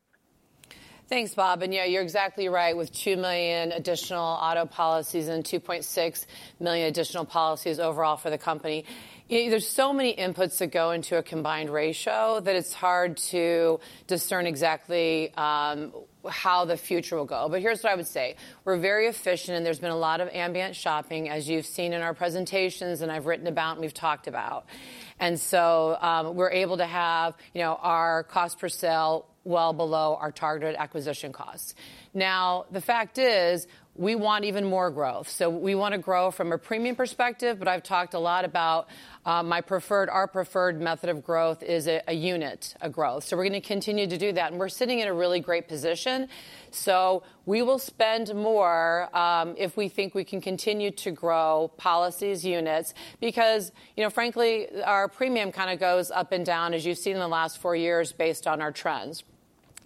Thanks, Bob. And, yeah, you're exactly right. With 2 million additional auto policies and 2.6 million additional policies overall for the company, there's so many inputs that go into a combined ratio, that it's hard to discern exactly how the future will go. But here's what I would say: We're very efficient, and there's been a lot of ambient shopping, as you've seen in our presentations, and I've written about, and we've talked about. And so, we're able to have, you know, our cost per sale well below our targeted acquisition costs. Now, the fact is, we want even more growth. So we wanna grow from a premium perspective, but I've talked a lot about, my preferred-- our preferred method of growth is a, a unit, a growth. So we're gonna continue to do that, and we're sitting in a really great position.... So we will spend more, if we think we can continue to grow policies units, because, you know, frankly, our premium kind of goes up and down, as you've seen in the last four years, based on our trends.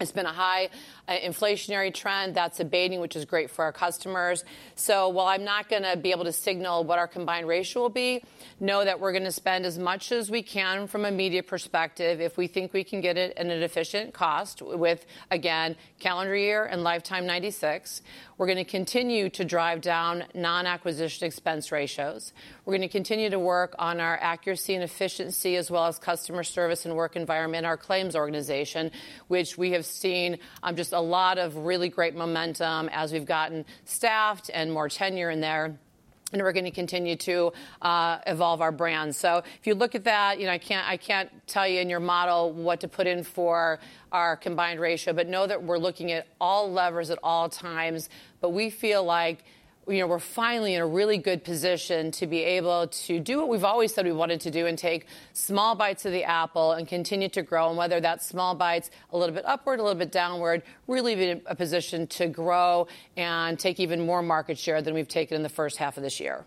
It's been a high, inflationary trend that's abating, which is great for our customers. So while I'm not gonna be able to signal what our combined ratio will be, know that we're gonna spend as much as we can from a media perspective, if we think we can get it at an efficient cost with, again, calendar year and Lifetime 96. We're gonna continue to drive down non-acquisition expense ratios. We're gonna continue to work on our accuracy and efficiency, as well as customer service and work environment, our claims organization, which we have seen just a lot of really great momentum as we've gotten staffed and more tenure in there, and we're gonna continue to evolve our brand. So if you look at that, you know, I can't, I can't tell you in your model what to put in for our Combined Ratio, but know that we're looking at all levers at all times. But we feel like, you know, we're finally in a really good position to be able to do what we've always said we wanted to do and take small bites of the apple and continue to grow. Whether that's small bites, a little bit upward, a little bit downward, we're really in a position to grow and take even more market share than we've taken in the first half of this year.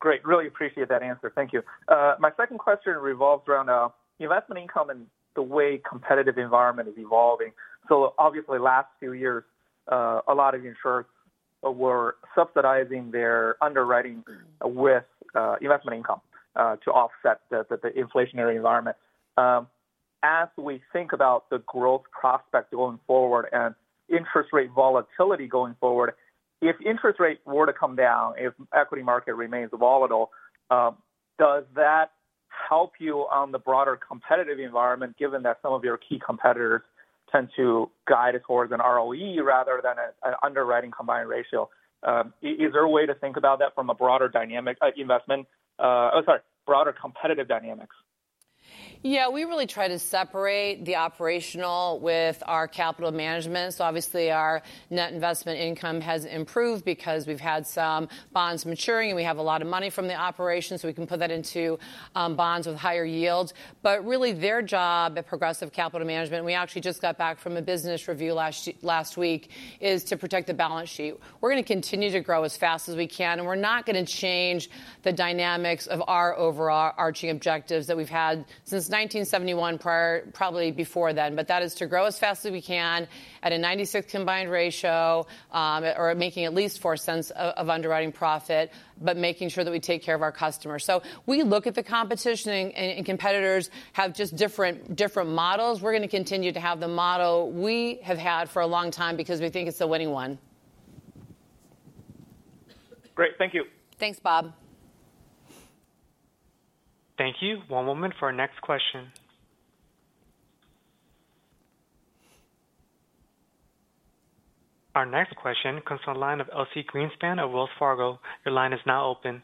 Great. Really appreciate that answer. Thank you. My second question revolves around investment income and the way competitive environment is evolving. So obviously, last few years, a lot of insurers were subsidizing their underwriting with investment income to offset the inflationary environment. As we think about the growth prospects going forward and interest rate volatility going forward, if interest rates were to come down, if equity market remains volatile, does that help you on the broader competitive environment, given that some of your key competitors tend to guide towards an ROE rather than an underwriting Combined Ratio? Is there a way to think about that from a broader dynamic, investment, oh, sorry, broader competitive dynamics? Yeah, we really try to separate the operational with our capital management. So obviously, our net investment income has improved because we've had some bonds maturing, and we have a lot of money from the operations, so we can put that into bonds with higher yields. But really, their job at Progressive Capital Management, we actually just got back from a business review last week, is to protect the balance sheet. We're gonna continue to grow as fast as we can, and we're not gonna change the dynamics of our overall overarching objectives that we've had since 1971, prior, probably before then, but that is to grow as fast as we can at a 96 combined ratio or making at least $0.04 of underwriting profit, but making sure that we take care of our customers. So we look at the competition, and competitors have just different models. We're gonna continue to have the model we have had for a long time because we think it's a winning one. Great. Thank you. Thanks, Bob. Thank you. One moment for our next question. Our next question comes on the line of Elyse Greenspan of Wells Fargo. Your line is now open.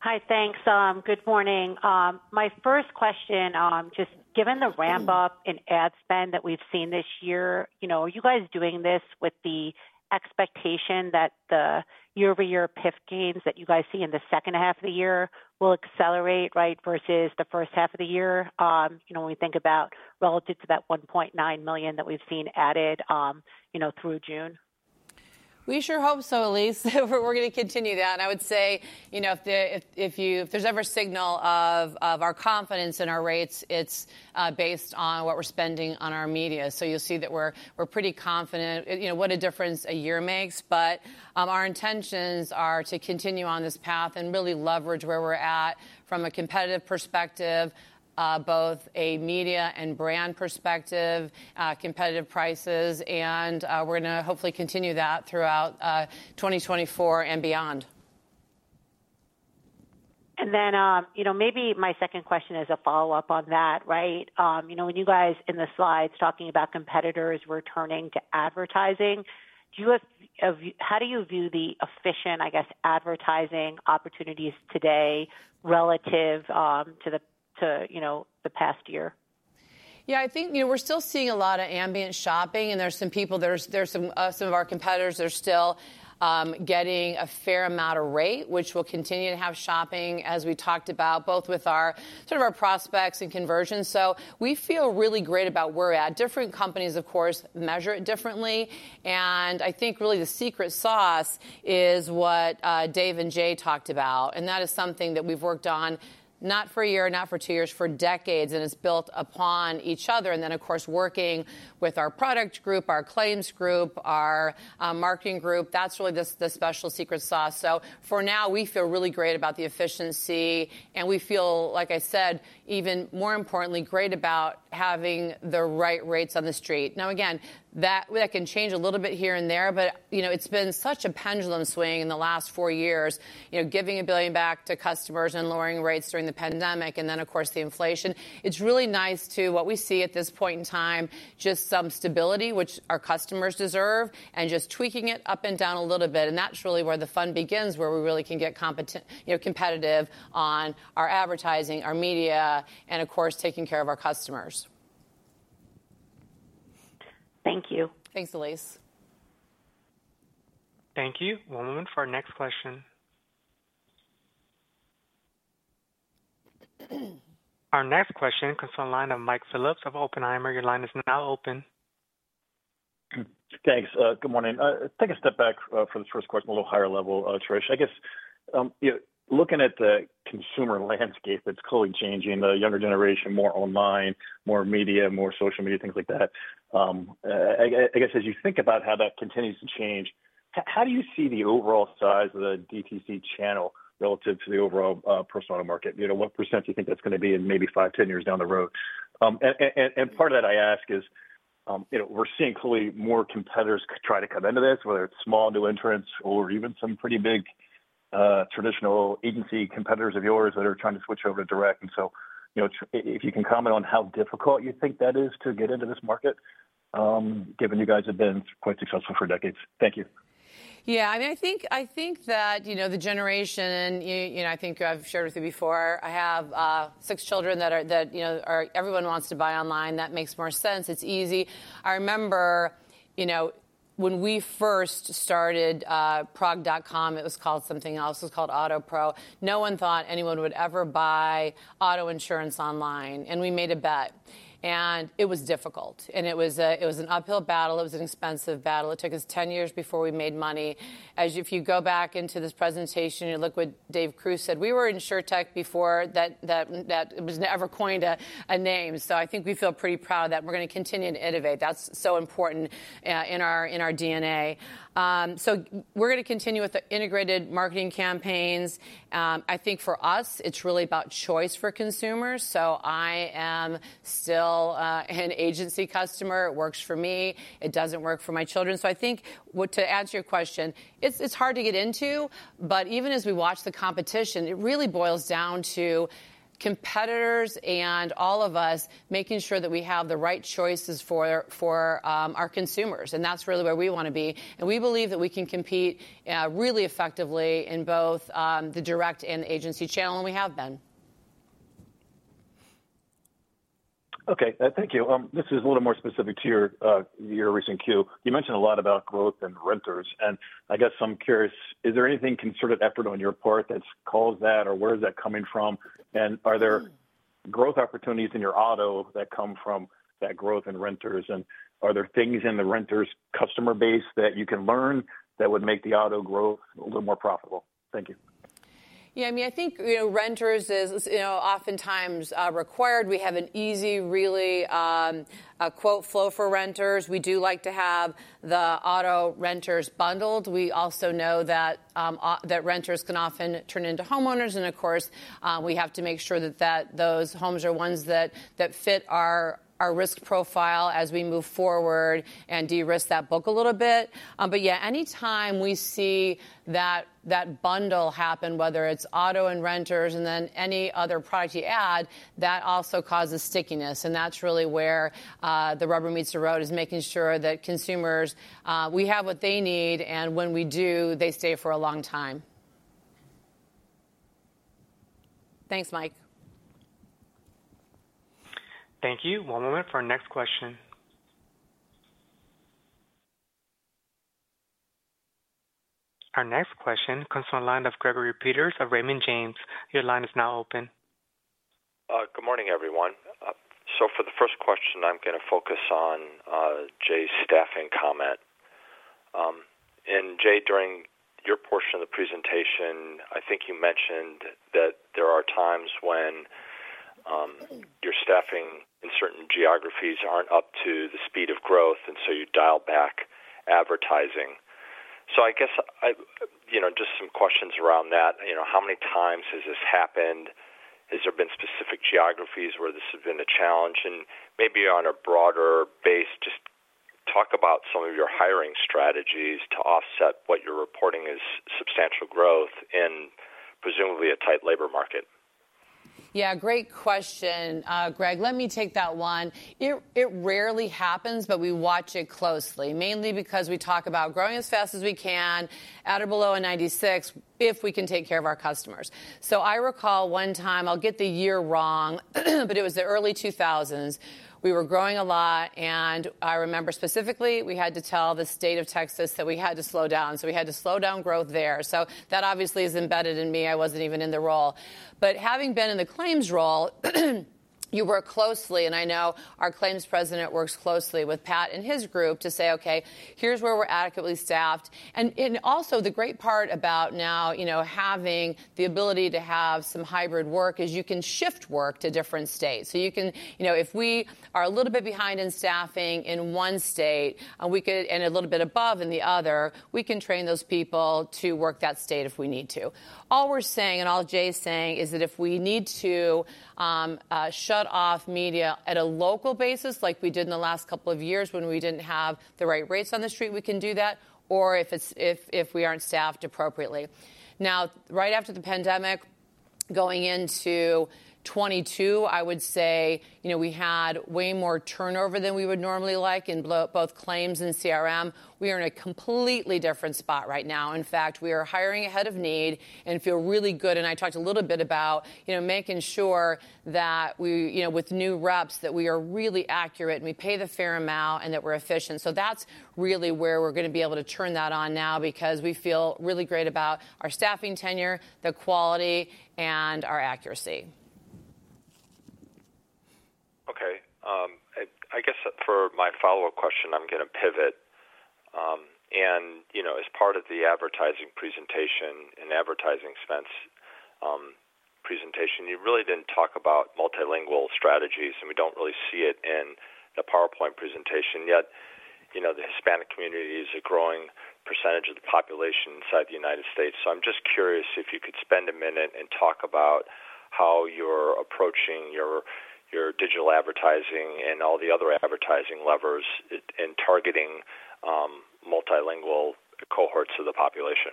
Hi, thanks. Good morning. My first question, just given the ramp up in ad spend that we've seen this year, you know, are you guys doing this with the expectation that the year-over-year PIF gains that you guys see in the second half of the year will accelerate, right, versus the first half of the year? You know, when we think about relative to that 1.9 million that we've seen added, you know, through June. We sure hope so, Elyse. We're gonna continue that. I would say, you know, if there's ever a signal of our confidence in our rates, it's based on what we're spending on our media. So you'll see that we're pretty confident. You know, what a difference a year makes, but our intentions are to continue on this path and really leverage where we're at from a competitive perspective, both a media and brand perspective, competitive prices, and we're gonna hopefully continue that throughout 2024 and beyond. And then, you know, maybe my second question is a follow-up on that, right? You know, when you guys in the slides talking about competitors returning to advertising, do you have a view- how do you view the efficient, I guess, advertising opportunities today relative, to the, you know, the past year? Yeah, I think, you know, we're still seeing a lot of ambient shopping, and there's some people, some of our competitors are still getting a fair amount of rate, which we'll continue to have shopping as we talked about, both with our sort of our prospects and conversions. So we feel really great about where we're at. Different companies, of course, measure it differently, and I think really the secret sauce is what Dave and Jay talked about, and that is something that we've worked on, not for a year, not for two years, for decades, and it's built upon each other. And then, of course, working with our product group, our claims group, our marketing group, that's really the special secret sauce. So for now, we feel really great about the efficiency, and we feel, like I said, even more importantly, great about having the right rates on the street. Now, again, that, that can change a little bit here and there, but, you know, it's been such a pendulum swing in the last four years, you know, giving $1 billion back to customers and lowering rates during the pandemic, and then, of course, the inflation. It's really nice to, what we see at this point in time, just some stability, which our customers deserve, and just tweaking it up and down a little bit. And that's really where the fun begins, where we really can get you know, competitive on our advertising, our media, and of course, taking care of our customers. Thank you. Thanks, Elyse. Thank you. One moment for our next question. Our next question comes from the line of Mike Phillips of Oppenheimer. Your line is now open. Thanks. Good morning. Take a step back for the first question, a little higher level, Trish. I guess, you know, looking at the consumer landscape, that's clearly changing, the younger generation, more online, more media, more social media, things like that. I guess, as you think about how that continues to change, how do you see the overall size of the DTC channel relative to the overall personal auto market? You know, what % do you think that's gonna be in maybe 5, 10 years down the road? And part of that I ask is, you know, we're seeing clearly more competitors try to come into this, whether it's small new entrants or even some pretty big traditional agency competitors of yours that are trying to switch over to direct. So, you know, if you can comment on how difficult you think that is to get into this market, given you guys have been quite successful for decades. Thank you. Yeah, I mean, I think that, you know, the generation, you know, I think I've shared with you before, I have six children that are, you know, are... Everyone wants to buy online. That makes more sense. It's easy. I remember, you know, when we first started, prog.com, it was called something else. It was called Auto Pro. No one thought anyone would ever buy auto insurance online, and we made a bet, and it was difficult, and it was an uphill battle. It was an expensive battle. It took us 10 years before we made money. As if you go back into this presentation and look what Dave Crew said, we were in Insurtech before that it was ever coined a name. So I think we feel pretty proud of that, and we're gonna continue to innovate. That's so important in our DNA. So we're gonna continue with the integrated marketing campaigns. I think for us, it's really about choice for consumers. So I am still an agency customer. It works for me. It doesn't work for my children. So to answer your question, it's hard to get into, but even as we watch the competition, it really boils down to competitors and all of us making sure that we have the right choices for our consumers, and that's really where we want to be. And we believe that we can compete really effectively in both the direct and the agency channel, and we have been. Okay, thank you. This is a little more specific to your recent Q. You mentioned a lot about growth and renters, and I guess I'm curious, is there anything concerted effort on your part that's caused that, or where is that coming from? And are there growth opportunities in your auto that come from that growth in renters? And are there things in the renters customer base that you can learn that would make the auto growth a little more profitable? Thank you. Yeah, I mean, I think, you know, renters is, you know, oftentimes required. We have an easy, really, quote flow for renters. We do like to have the auto renters bundled. We also know that, that renters can often turn into homeowners, and of course, we have to make sure that, that those homes are ones that, that fit our, our risk profile as we move forward and de-risk that book a little bit. But yeah, anytime we see that, that bundle happen, whether it's auto and renters and then any other product you add, that also causes stickiness. And that's really where the rubber meets the road, is making sure that consumers, we have what they need, and when we do, they stay for a long time. Thanks, Mike. Thank you. One moment for our next question. Our next question comes from the line of Gregory Peters of Raymond James. Your line is now open. Good morning, everyone. So for the first question, I'm gonna focus on Jay's staffing comment. And Jay, during your portion of the presentation, I think you mentioned that there are times when your staffing in certain geographies aren't up to the speed of growth, and so you dial back advertising. So I guess, you know, just some questions around that. You know, how many times has this happened? Has there been specific geographies where this has been a challenge? And maybe on a broader base, just talk about some of your hiring strategies to offset what you're reporting is substantial growth in presumably a tight labor market. Yeah, great question, Greg. Let me take that one. It rarely happens, but we watch it closely, mainly because we talk about growing as fast as we can at or below a 96, if we can take care of our customers. So I recall one time, I'll get the year wrong, but it was the early 2000s. We were growing a lot, and I remember specifically, we had to tell the state of Texas that we had to slow down, so we had to slow down growth there. So that obviously is embedded in me. I wasn't even in the role. But having been in the claims role, you work closely, and I know our claims president works closely with Pat and his group to say, "Okay, here's where we're adequately staffed." And, and also the great part about now, you know, having the ability to have some hybrid work, is you can shift work to different states. So you can... You know, if we are a little bit behind in staffing in one state, and we could, and a little bit above in the other, we can train those people to work that state if we need to. All we're saying, and all Jay is saying, is that if we need to shut off media at a local basis, like we did in the last couple of years when we didn't have the right rates on the street, we can do that, or if we aren't staffed appropriately. Now, right after the pandemic, going into 2022, I would say, you know, we had way more turnover than we would normally like in both claims and CRM. We are in a completely different spot right now. In fact, we are hiring ahead of need and feel really good. And I talked a little bit about, you know, making sure that we, you know, with new reps, that we are really accurate, and we pay the fair amount, and that we're efficient. That's really where we're gonna be able to turn that on now because we feel really great about our staffing tenure, the quality, and our accuracy. My follow-up question, I'm going to pivot. You know, as part of the advertising presentation and advertising expense presentation, you really didn't talk about multilingual strategies, and we don't really see it in the PowerPoint presentation. Yet, you know, the Hispanic community is a growing percentage of the population inside the United States. So I'm just curious if you could spend a minute and talk about how you're approaching your, your digital advertising and all the other advertising levers in targeting multilingual cohorts of the population.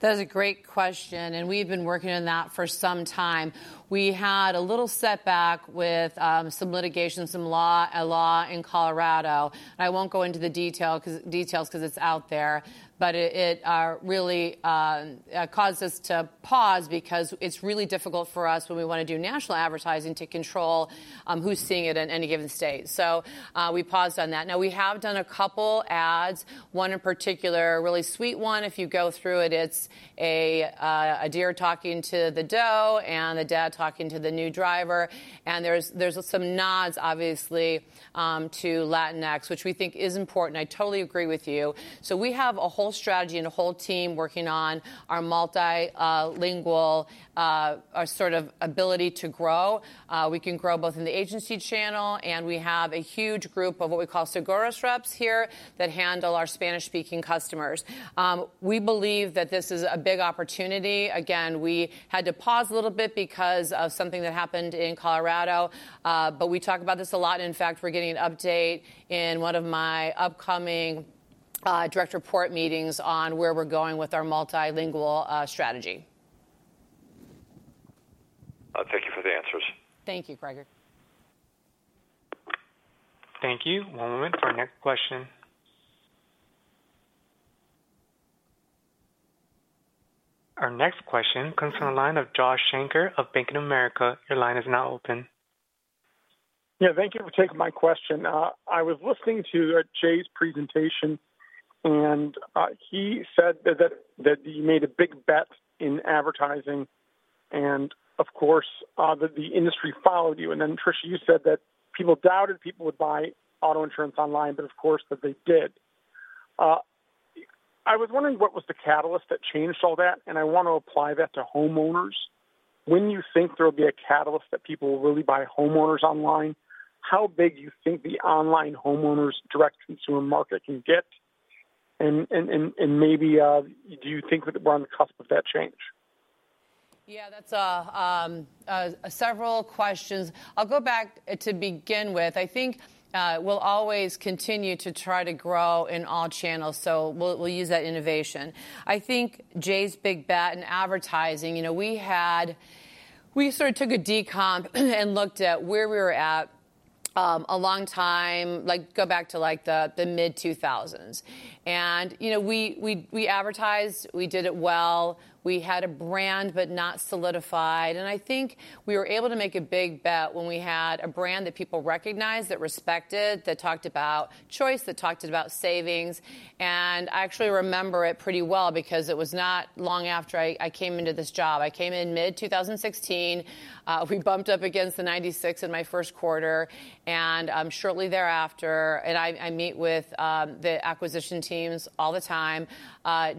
That is a great question, and we've been working on that for some time. We had a little setback with some litigation, some law, a law in Colorado. I won't go into the details 'cause it's out there, but it really caused us to pause because it's really difficult for us when we want to do national advertising to control who's seeing it in any given state. So, we paused on that. Now, we have done a couple ads, one in particular, a really sweet one. If you go through it, it's a deer talking to the doe and a dad talking to the new driver, and there's some nods, obviously, to Latinx, which we think is important. I totally agree with you. So we have a whole strategy and a whole team working on our multi-lingual, our sort of ability to grow. We can grow both in the agency channel, and we have a huge group of what we call Seguros reps here that handle our Spanish-speaking customers. We believe that this is a big opportunity. Again, we had to pause a little bit because of something that happened in Colorado, but we talk about this a lot. In fact, we're getting an update in one of my upcoming, direct report meetings on where we're going with our multilingual strategy. Thank you for the answers. Thank you, Gregory. Thank you. One moment for the next question. Our next question comes from the line of Josh Shanker of Bank of America. Your line is now open. Yeah, thank you for taking my question. I was listening to Jay's presentation, and he said that you made a big bet in advertising and of course that the industry followed you. And then, Tricia, you said that people doubted people would buy auto insurance online, but of course that they did. I was wondering, what was the catalyst that changed all that? And I want to apply that to homeowners. When do you think there will be a catalyst that people will really buy homeowners online? How big do you think the online homeowners direct consumer market can get? And maybe do you think that we're on the cusp of that change? Yeah, that's several questions. I'll go back to begin with. I think we'll always continue to try to grow in all channels, so we'll use that innovation. I think Jay's big bet in advertising, you know, we had—we sort of took a decomp and looked at where we were at a long time. Like, go back to, like, the mid-2000s. And, you know, we advertised, we did it well. We had a brand, but not solidified, and I think we were able to make a big bet when we had a brand that people recognized, that respected, that talked about choice, that talked about savings. And I actually remember it pretty well because it was not long after I came into this job. I came in mid-2016. We bumped up against the 96 in my first quarter, and shortly thereafter, and I meet with the acquisition teams all the time.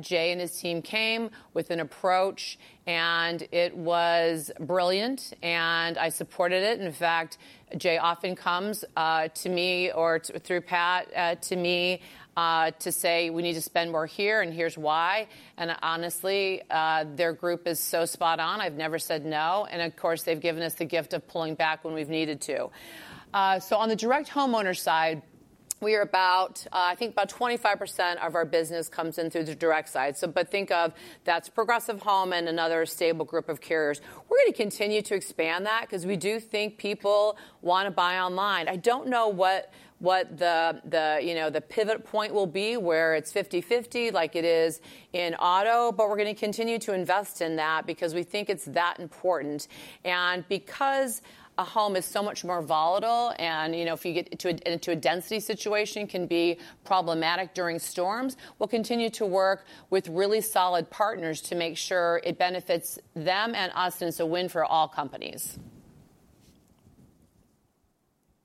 Jay and his team came with an approach, and it was brilliant, and I supported it. In fact, Jay often comes to me or through Pat to me to say: "We need to spend more here, and here's why." And honestly, their group is so spot on. I've never said no, and of course, they've given us the gift of pulling back when we've needed to. So on the direct homeowner side, we are about, I think about 25% of our business comes in through the direct side. So but think of that's Progressive Home and another stable group of carriers. We're going to continue to expand that because we do think people want to buy online. I don't know what the, you know, the pivot point will be, where it's 50/50 like it is in auto, but we're going to continue to invest in that because we think it's that important. And because a home is so much more volatile and, you know, if you get into a density situation, it can be problematic during storms, we'll continue to work with really solid partners to make sure it benefits them and us, and it's a win for all companies.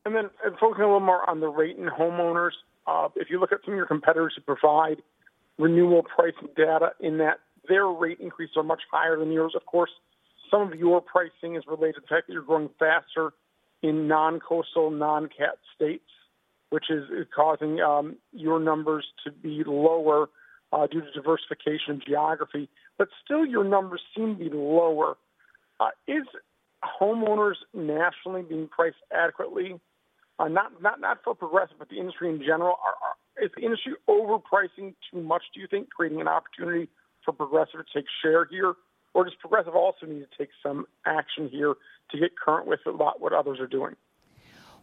And then focusing a little more on the rate and homeowners. If you look at some of your competitors who provide renewal pricing data in that their rate increases are much higher than yours. Of course, some of your pricing is related to the fact that you're growing faster in non-coastal, non-cat states, which is causing your numbers to be lower due to diversification in geography, but still your numbers seem to be lower. Is homeowners nationally being priced adequately? Not for Progressive, but the industry in general. Is the industry overpricing too much, do you think, creating an opportunity for Progressive to take share here? Or does Progressive also need to take some action here to get current with a lot what others are doing?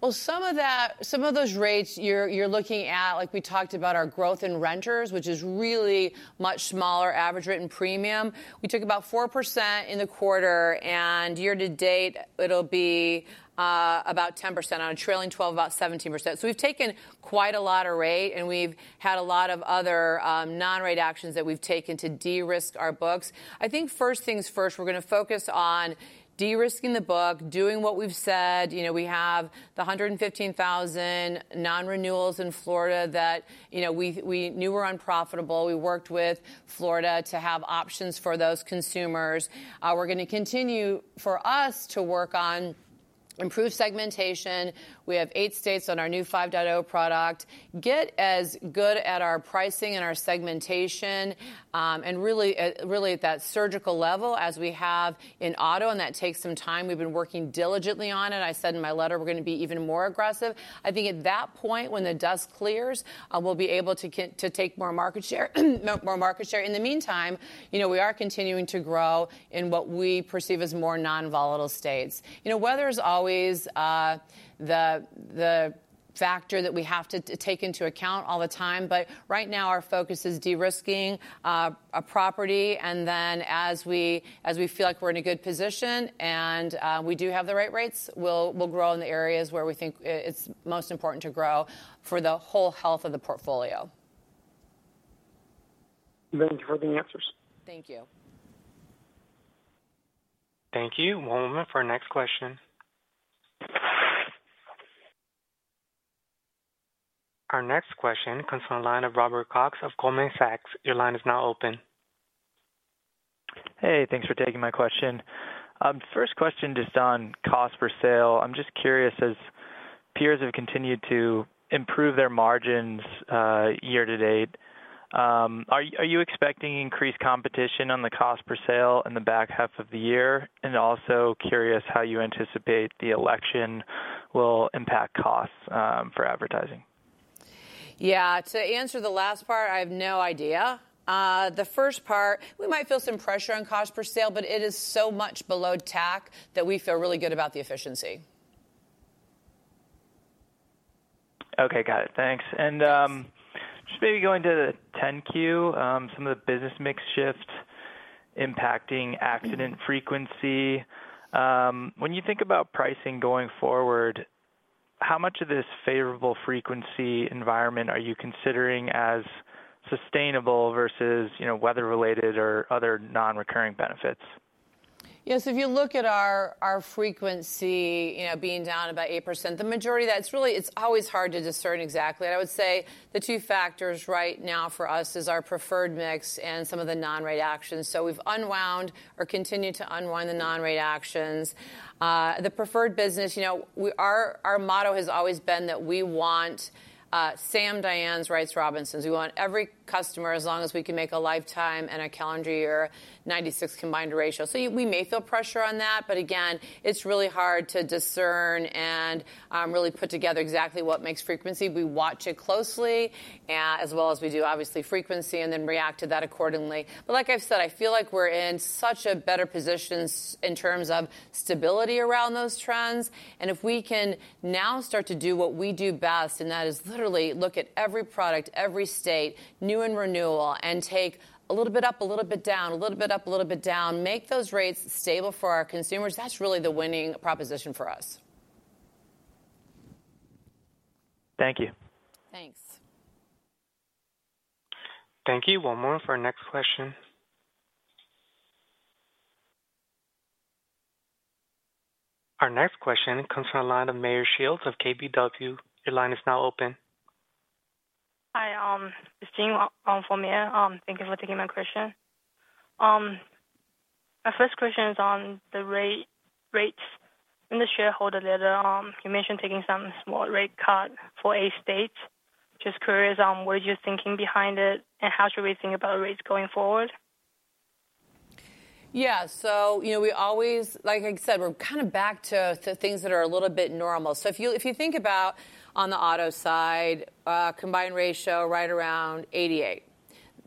Well, some of that, some of those rates you're looking at, like we talked about our growth in renters, which is really much smaller average written premium. We took about 4% in the quarter, and year to date, it'll be about 10% on a trailing twelve, about 17%. So we've taken quite a lot of rate, and we've had a lot of other non-rate actions that we've taken to de-risk our books. I think first things first, we're going to focus on de-risking the book, doing what we've said. You know, we have the 115,000 non-renewals in Florida that, you know, we knew were unprofitable. We worked with Florida to have options for those consumers. We're going to continue, for us, to work on improving segmentation. We have 8 states on our new 5.0 product. Get as good at our pricing and our segmentation, and really at that surgical level as we have in auto, and that takes some time. We've been working diligently on it. I said in my letter, we're going to be even more aggressive. I think at that point, when the dust clears, we'll be able to get to take more market share, more market share. In the meantime, you know, we are continuing to grow in what we perceive as more non-volatile states. You know, weather is always the factor that we have to take into account all the time, but right now, our focus is de-risking our property. And then as we feel like we're in a good position and we do have the right rates, we'll grow in the areas where we think it's most important to grow for the whole health of the portfolio. Thank you for the answers. Thank you. Thank you. One moment for our next question. Our next question comes from the line of Robert Cox of Goldman Sachs. Your line is now open. Hey, thanks for taking my question. First question, just on cost per sale. I'm just curious, as peers have continued to improve their margins, year to date, are you expecting increased competition on the cost per sale in the back half of the year? And also curious how you anticipate the election will impact costs for advertising? Yeah. To answer the last part, I have no idea. The first part, we might feel some pressure on Cost Per Sale, but it is so much below TAC that we feel really good about the efficiency. Okay, got it. Thanks. And, just maybe going to the 10-Q, some of the business mix shift impacting accident frequency. When you think about pricing going forward, how much of this favorable frequency environment are you considering as sustainable versus, you know, weather-related or other non-recurring benefits? Yes, if you look at our frequency, you know, being down about 8%, the majority of that, it's really, it's always hard to discern exactly. I would say the two factors right now for us is our preferred mix and some of the non-rate actions. So we've unwound or continued to unwind the non-rate actions. The preferred business, you know, we, our motto has always been that we want Sams, Dianes, Wrights, Robinsons. We want every customer as long as we can make a lifetime and a calendar year 96 combined ratio. So we may feel pressure on that, but again, it's really hard to discern and really put together exactly what makes frequency. We watch it closely, as well as we do, obviously, frequency, and then react to that accordingly. But like I've said, I feel like we're in such a better position in terms of stability around those trends. And if we can now start to do what we do best, and that is literally look at every product, every state, new and renewal, and take a little bit up, a little bit down, a little bit up, a little bit down, make those rates stable for our consumers, that's really the winning proposition for us. Thank you. Thanks. Thank you. One moment for our next question. Our next question comes from the line of Meyer Shields of KBW. Your line is now open. Hi, it's Jean from KBW. Thank you for taking my question. My first question is on the rates. In the shareholder letter, you mentioned taking some small rate cut for 8 states. Just curious on what is your thinking behind it, and how should we think about rates going forward? Yeah, so you know, we always, like I said, we're kind of back to things that are a little bit normal. So if you think about on the auto side, Combined Ratio right around 88.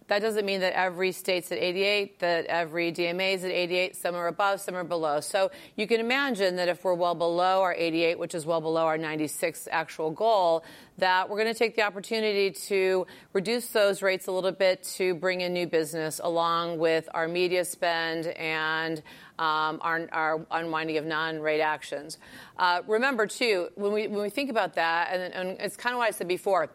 That doesn't mean that every state's at 88, that every DMA is at 88. Some are above, some are below. So you can imagine that if we're well below our 88, which is well below our 96 actual goal, that we're going to take the opportunity to reduce those rates a little bit to bring in new business, along with our media spend and our unwinding of non-rate actions. Remember, too, when we think about that, and it's kind of what I said before,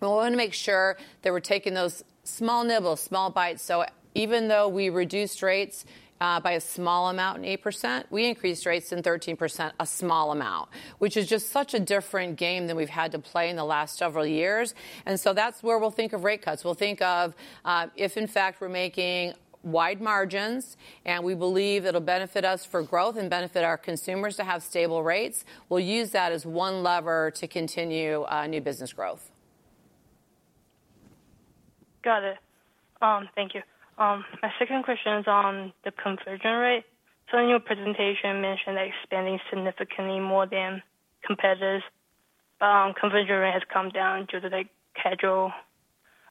we want to make sure that we're taking those small nibbles, small bites. So even though we reduced rates by a small amount in 8%, we increased rates in 13%, a small amount, which is just such a different game than we've had to play in the last several years. And so that's where we'll think of rate cuts. We'll think of if in fact we're making wide margins, and we believe it'll benefit us for growth and benefit our consumers to have stable rates, we'll use that as one lever to continue new business growth. Got it. Thank you. My second question is on the conversion rate. So in your presentation, you mentioned expanding significantly more than competitors. Conversion rate has come down due to the casual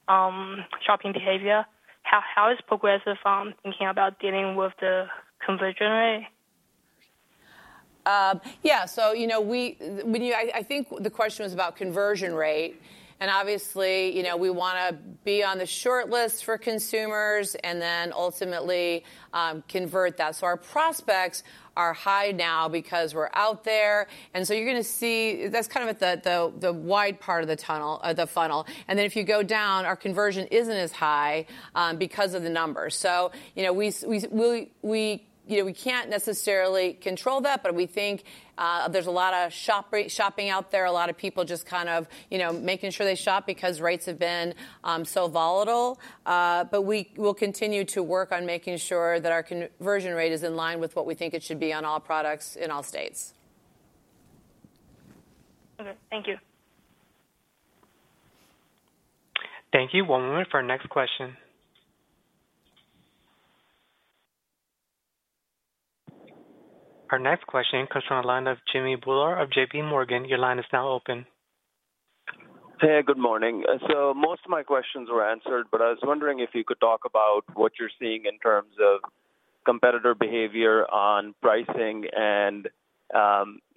shopping behavior. How is Progressive thinking about dealing with the conversion rate? Yeah, so you know, I think the question was about conversion rate, and obviously, you know, we want to be on the shortlist for consumers and then ultimately convert that. So our prospects are high now because we're out there, and so you're going to see that's kind of at the wide part of the tunnel, the funnel. And then if you go down, our conversion isn't as high because of the numbers. So you know, we you know, we can't necessarily control that, but we think there's a lot of shopping out there, a lot of people just kind of, you know, making sure they shop because rates have been so volatile. But we will continue to work on making sure that our conversion rate is in line with what we think it should be on all products in all states. Okay. Thank you. Thank you. One moment for our next question. Our next question comes from the line of Jimmy Bhullar of JPMorgan. Your line is now open. Hey, good morning. Most of my questions were answered, but I was wondering if you could talk about what you're seeing in terms of competitor behavior on pricing and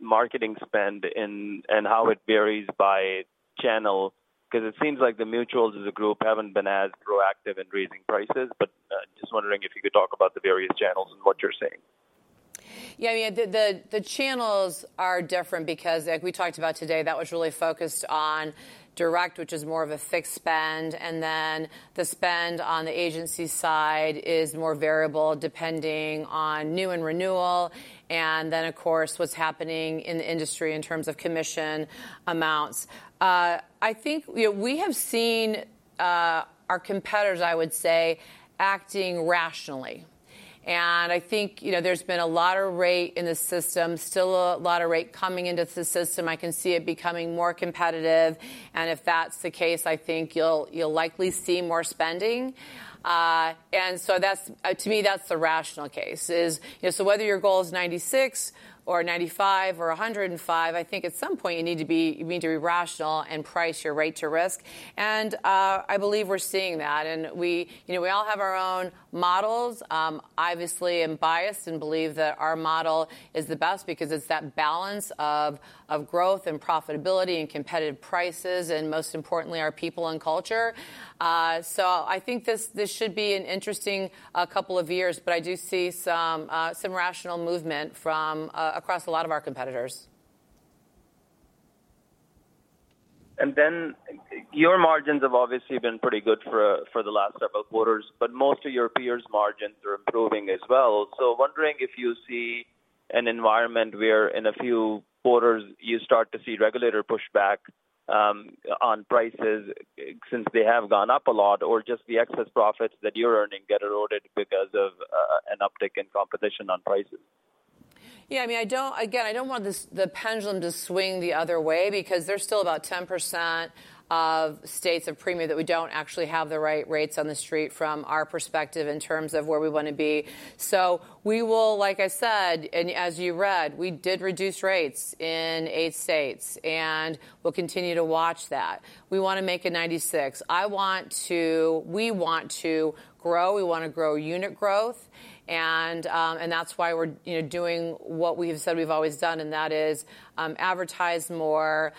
marketing spend, and how it varies by channel. 'Cause it seems like the Mutuals, as a group, haven't been as proactive in raising prices. Just wondering if you could talk about the various channels and what you're seeing. Yeah, I mean, the channels are different because, like we talked about today, that was really focused on direct, which is more of a fixed spend, and then the spend on the agency side is more variable, depending on new and renewal, and then, of course, what's happening in the industry in terms of commission amounts. I think, you know, we have seen our competitors, I would say, acting rationally. And I think, you know, there's been a lot of rate in the system, still a lot of rate coming into the system. I can see it becoming more competitive, and if that's the case, I think you'll likely see more spending. And so that's, to me, that's the rational case, is... You know, so whether your goal is 96 or 95 or 105, I think at some point you need to be, you need to be rational and price your rate to risk. And, I believe we're seeing that, and we, you know, we all have our own models. Obviously, I'm biased and believe that our model is the best because it's that balance of growth and profitability and competitive prices, and most importantly, our people and culture. So I think this should be an interesting couple of years, but I do see some rational movement from across a lot of our competitors. And then your margins have obviously been pretty good for the last several quarters, but most of your peers' margins are improving as well. So wondering if you see an environment where in a few quarters you start to see regulator pushback on prices since they have gone up a lot, or just the excess profits that you're earning get eroded because of an uptick in competition on prices? Yeah, I mean, I don't... Again, I don't want this, the pendulum to swing the other way because there's still about 10% of states of premium that we don't actually have the right rates on the street from our perspective, in terms of where we want to be. So we will, like I said, and as you read, we did reduce rates in eight states, and we'll continue to watch that. We want to make a 96. I want to-- we want to grow. We want to grow unit growth, and, and that's why we're, you know, doing what we've said we've always done, and that is, advertise more,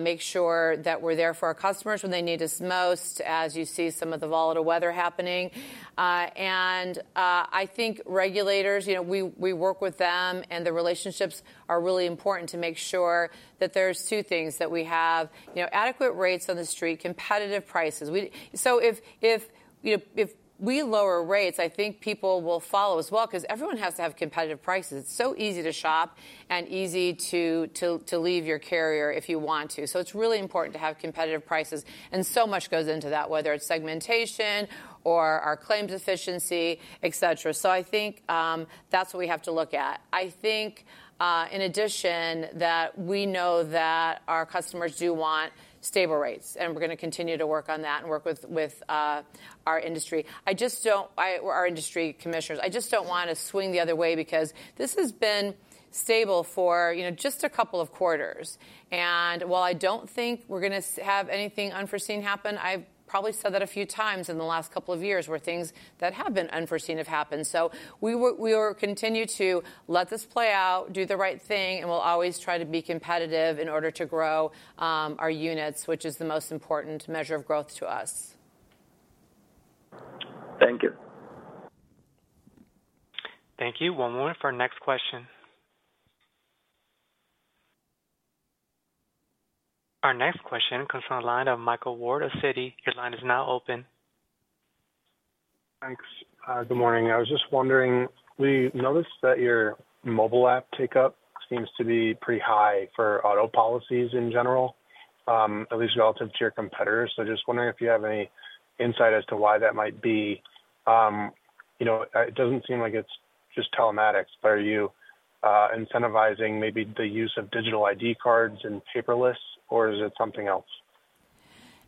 make sure that we're there for our customers when they need us most, as you see some of the volatile weather happening. And I think regulators, you know, we work with them, and the relationships are really important to make sure that there's two things that we have: you know, adequate rates on the street, competitive prices. So if, you know, if we lower rates, I think people will follow as well, 'cause everyone has to have competitive prices. It's so easy to shop and easy to leave your carrier if you want to. So it's really important to have competitive prices, and so much goes into that, whether it's segmentation or our claims efficiency, et cetera. So I think that's what we have to look at. I think in addition, that we know that our customers do want stable rates, and we're going to continue to work on that and work with our industry. I just don't. Our industry commissioners. I just don't want to swing the other way because this has been stable for, you know, just a couple of quarters. While I don't think we're going to have anything unforeseen happen, I've probably said that a few times in the last couple of years, where things that have been unforeseen have happened. We will continue to let this play out, do the right thing, and we'll always try to be competitive in order to grow our units, which is the most important measure of growth to us. Thank you. Thank you. One moment for our next question. Our next question comes from the line of Michael Ward of Citi. Your line is now open. Thanks. Good morning. I was just wondering, we noticed that your mobile app take-up seems to be pretty high for auto policies in general, at least relative to your competitors. So just wondering if you have any insight as to why that might be. You know, it doesn't seem like it's just telematics, but are you incentivizing maybe the use of digital ID cards and paperless, or is it something else?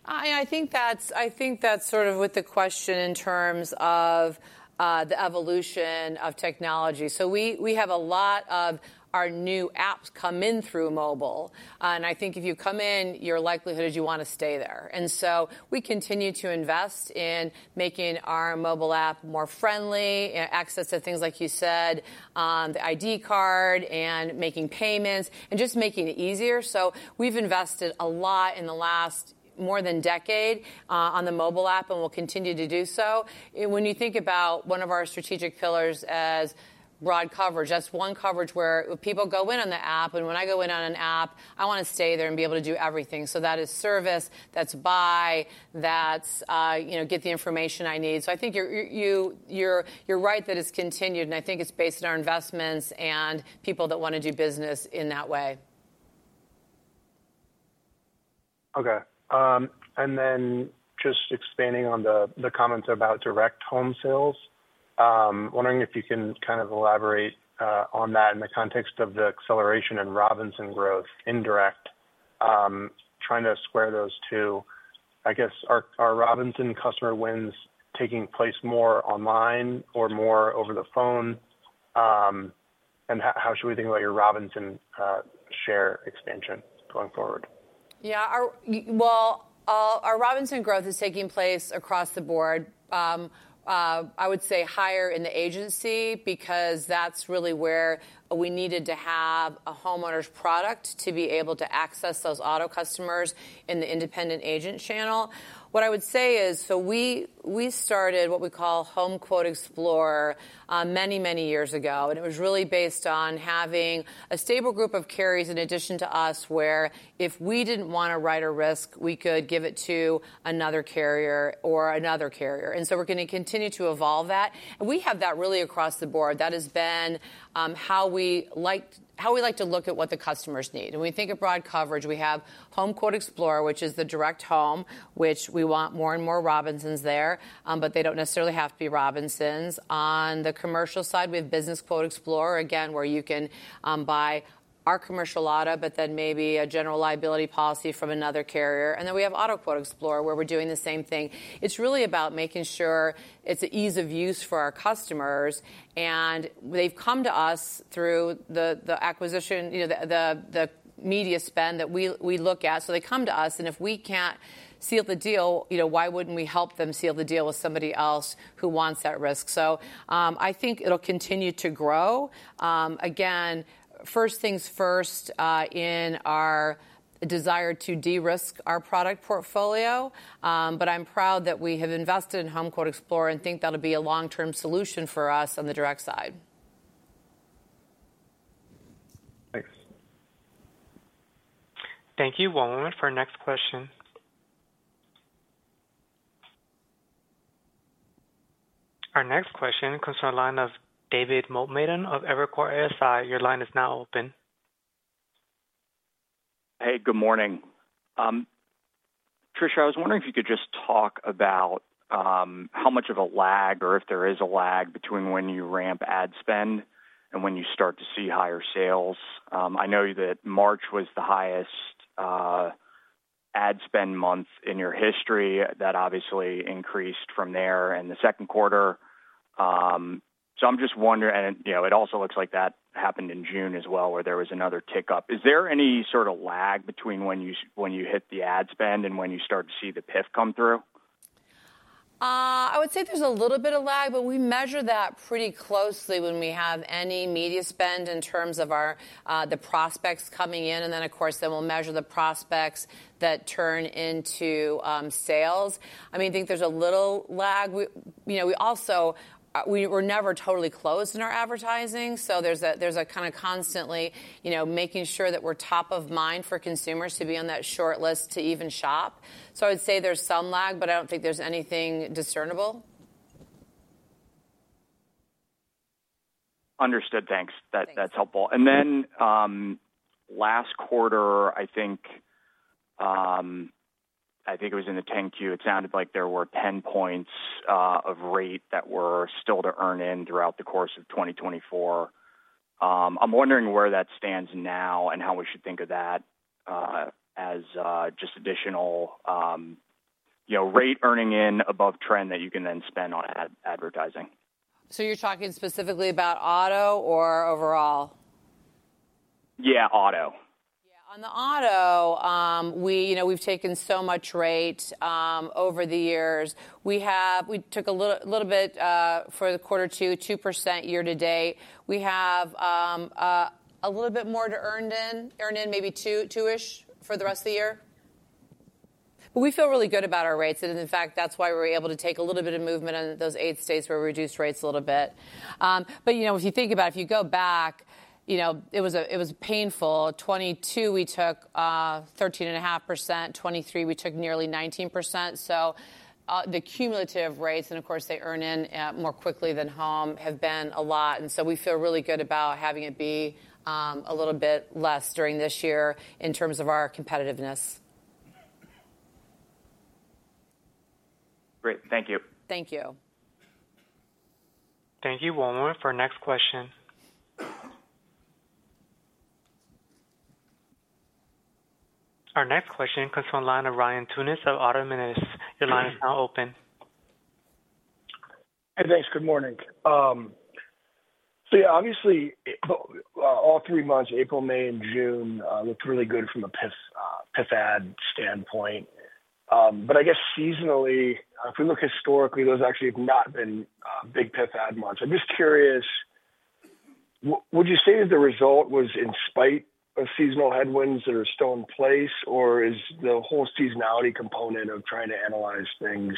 Yeah, I think that's, I think that's sort of with the question in terms of the evolution of technology. So we have a lot of our new apps come in through mobile, and I think if you come in, your likelihood is you want to stay there. And so we continue to invest in making our mobile app more friendly, access to things like you said, the ID card and making payments and just making it easier. So we've invested a lot in the last more than decade on the mobile app, and we'll continue to do so. And when you think about one of our strategic pillars as broad coverage, that's one coverage where people go in on the app, and when I go in on an app, I want to stay there and be able to do everything. So that is service, that's buy, that's, you know, get the information I need. So I think you're right that it's continued, and I think it's based on our investments and people that want to do business in that way. Okay. And then just expanding on the comments about direct home sales. ... wondering if you can kind of elaborate on that in the context of the acceleration in Robinsons growth, indirect, trying to square those two. I guess, are Robinsons customer wins taking place more online or more over the phone? And how should we think about your Robinsons share expansion going forward? Yeah, well, our Robinsons growth is taking place across the board. I would say higher in the agency, because that's really where we needed to have a homeowner's product to be able to access those auto customers in the independent agent channel. What I would say is, so we started what we call HomeQuote Explorer many years ago, and it was really based on having a stable group of carriers in addition to us, where if we didn't want to write a risk, we could give it to another carrier or another carrier. So we're going to continue to evolve that. We have that really across the board. That has been how we like to look at what the customers need. When we think of broad coverage, we have HomeQuote Explorer, which is the direct home, which we want more and more Robinsons there, but they don't necessarily have to be Robinsons. On the commercial side, we have BusinessQuote Explorer, again, where you can buy our commercial auto, but then maybe a general liability policy from another carrier. And then we have AutoQuote Explorer, where we're doing the same thing. It's really about making sure it's an ease of use for our customers, and they've come to us through the acquisition, you know, the media spend that we look at. So they come to us, and if we can't seal the deal, you know, why wouldn't we help them seal the deal with somebody else who wants that risk? So, I think it'll continue to grow. Again, first things first, in our desire to de-risk our product portfolio, but I'm proud that we have invested in HomeQuote Explorer and think that'll be a long-term solution for us on the direct side. Thanks. Thank you. One moment for our next question. Our next question comes from the line of David Motemaden of Evercore ISI. Your line is now open. Hey, good morning. Tricia, I was wondering if you could just talk about, how much of a lag, or if there is a lag, between when you ramp ad spend and when you start to see higher sales. I know that March was the highest, ad spend month in your history. That obviously increased from there in the second quarter. So I'm just wondering... And, you know, it also looks like that happened in June as well, where there was another tick-up. Is there any sort of lag between when you, when you hit the ad spend and when you start to see the PIF come through? I would say there's a little bit of lag, but we measure that pretty closely when we have any media spend in terms of our, the prospects coming in. And then, of course, we'll measure the prospects that turn into sales. I mean, I think there's a little lag. We, you know, we also, we're never totally closed in our advertising, so there's a kind of constantly, you know, making sure that we're top of mind for consumers to be on that shortlist to even shop. So I'd say there's some lag, but I don't think there's anything discernible. Understood. Thanks. Thanks. That, that's helpful. And then, last quarter, I think, I think it was in the 10-Q, it sounded like there were 10 points of rate that were still to earn in throughout the course of 2024. I'm wondering where that stands now and how we should think of that as just additional, you know, rate earning in above trend that you can then spend on advertising. You're talking specifically about auto or overall? Yeah, auto. Yeah. On the auto, we, you know, we've taken so much rate over the years. We have we took a little bit for the quarter to 2% year to date. We have a little bit more to earn in, maybe 2, 2-ish, for the rest of the year. But we feel really good about our rates, and in fact, that's why we were able to take a little bit of movement in those eight states where we reduced rates a little bit. But, you know, if you think about it, if you go back, you know, it was a, it was painful. 2022, we took thirteen and a half percent. 2023, we took nearly 19%. So, the cumulative rates, and of course, they earn in more quickly than home, have been a lot, and so we feel really good about having it be a little bit less during this year in terms of our competitiveness. Great. Thank you. Thank you. Thank you. One moment for our next question. Our next question comes from the line of Ryan Tunis of Autonomous Research. Your line is now open. Hey, thanks. Good morning. So yeah, obviously, all three months, April, May, and June, looked really good from a PIF, PIF ad standpoint. But I guess seasonally, if we look historically, those actually have not been, big PIF ad months. I'm just curious, would you say that the result was in spite of seasonal headwinds that are still in place, or is the whole seasonality component of trying to analyze things,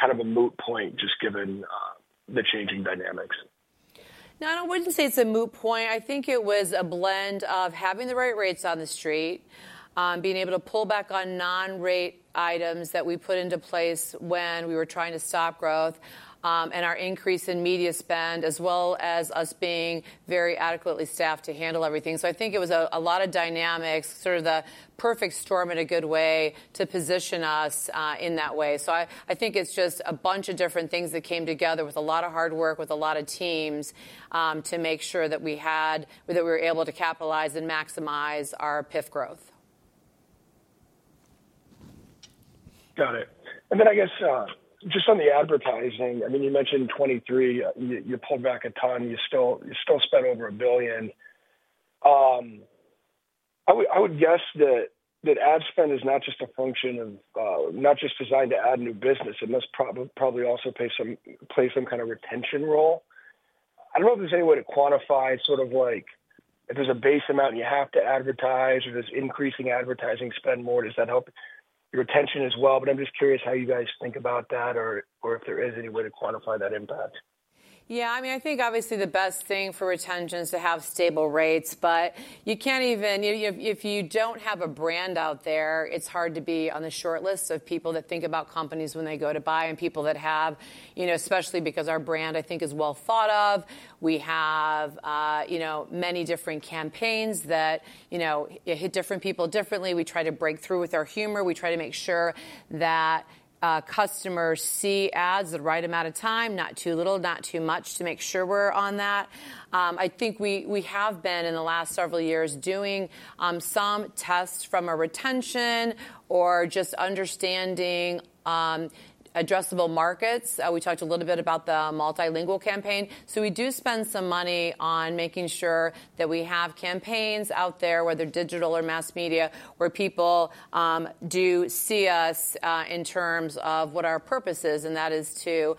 kind of a moot point, just given, the changing dynamics? No, I wouldn't say it's a moot point. I think it was a blend of having the right rates on the street, being able to pull back on non-rate items that we put into place when we were trying to stop growth, and our increase in media spend, as well as us being very adequately staffed to handle everything. So I think it was a lot of dynamics, sort of the perfect storm in a good way, to position us, in that way. So I think it's just a bunch of different things that came together with a lot of hard work, with a lot of teams, to make sure that we had... That we were able to capitalize and maximize our PIF growth.... Got it. And then I guess, just on the advertising, I mean, you mentioned 2023, you, you pulled back a ton. You still, you still spent over $1 billion. I would, I would guess that, that ad spend is not just a function of, not just designed to add new business. It must probably also play some, play some kind of retention role. I don't know if there's any way to quantify sort of like, if there's a base amount you have to advertise, or does increasing advertising spend more, does that help your retention as well? But I'm just curious how you guys think about that, or, or if there is any way to quantify that impact. Yeah, I mean, I think obviously the best thing for retention is to have stable rates, but you can't. If you don't have a brand out there, it's hard to be on the shortlist of people that think about companies when they go to buy, and people that have, you know, especially because our brand, I think, is well thought of. We have, you know, many different campaigns that, you know, hit different people differently. We try to break through with our humor. We try to make sure that customers see ads the right amount of time, not too little, not too much, to make sure we're on that. I think we have been, in the last several years, doing some tests from a retention or just understanding addressable markets. We talked a little bit about the multilingual campaign. So we do spend some money on making sure that we have campaigns out there, whether digital or mass media, where people do see us in terms of what our purpose is, and that is to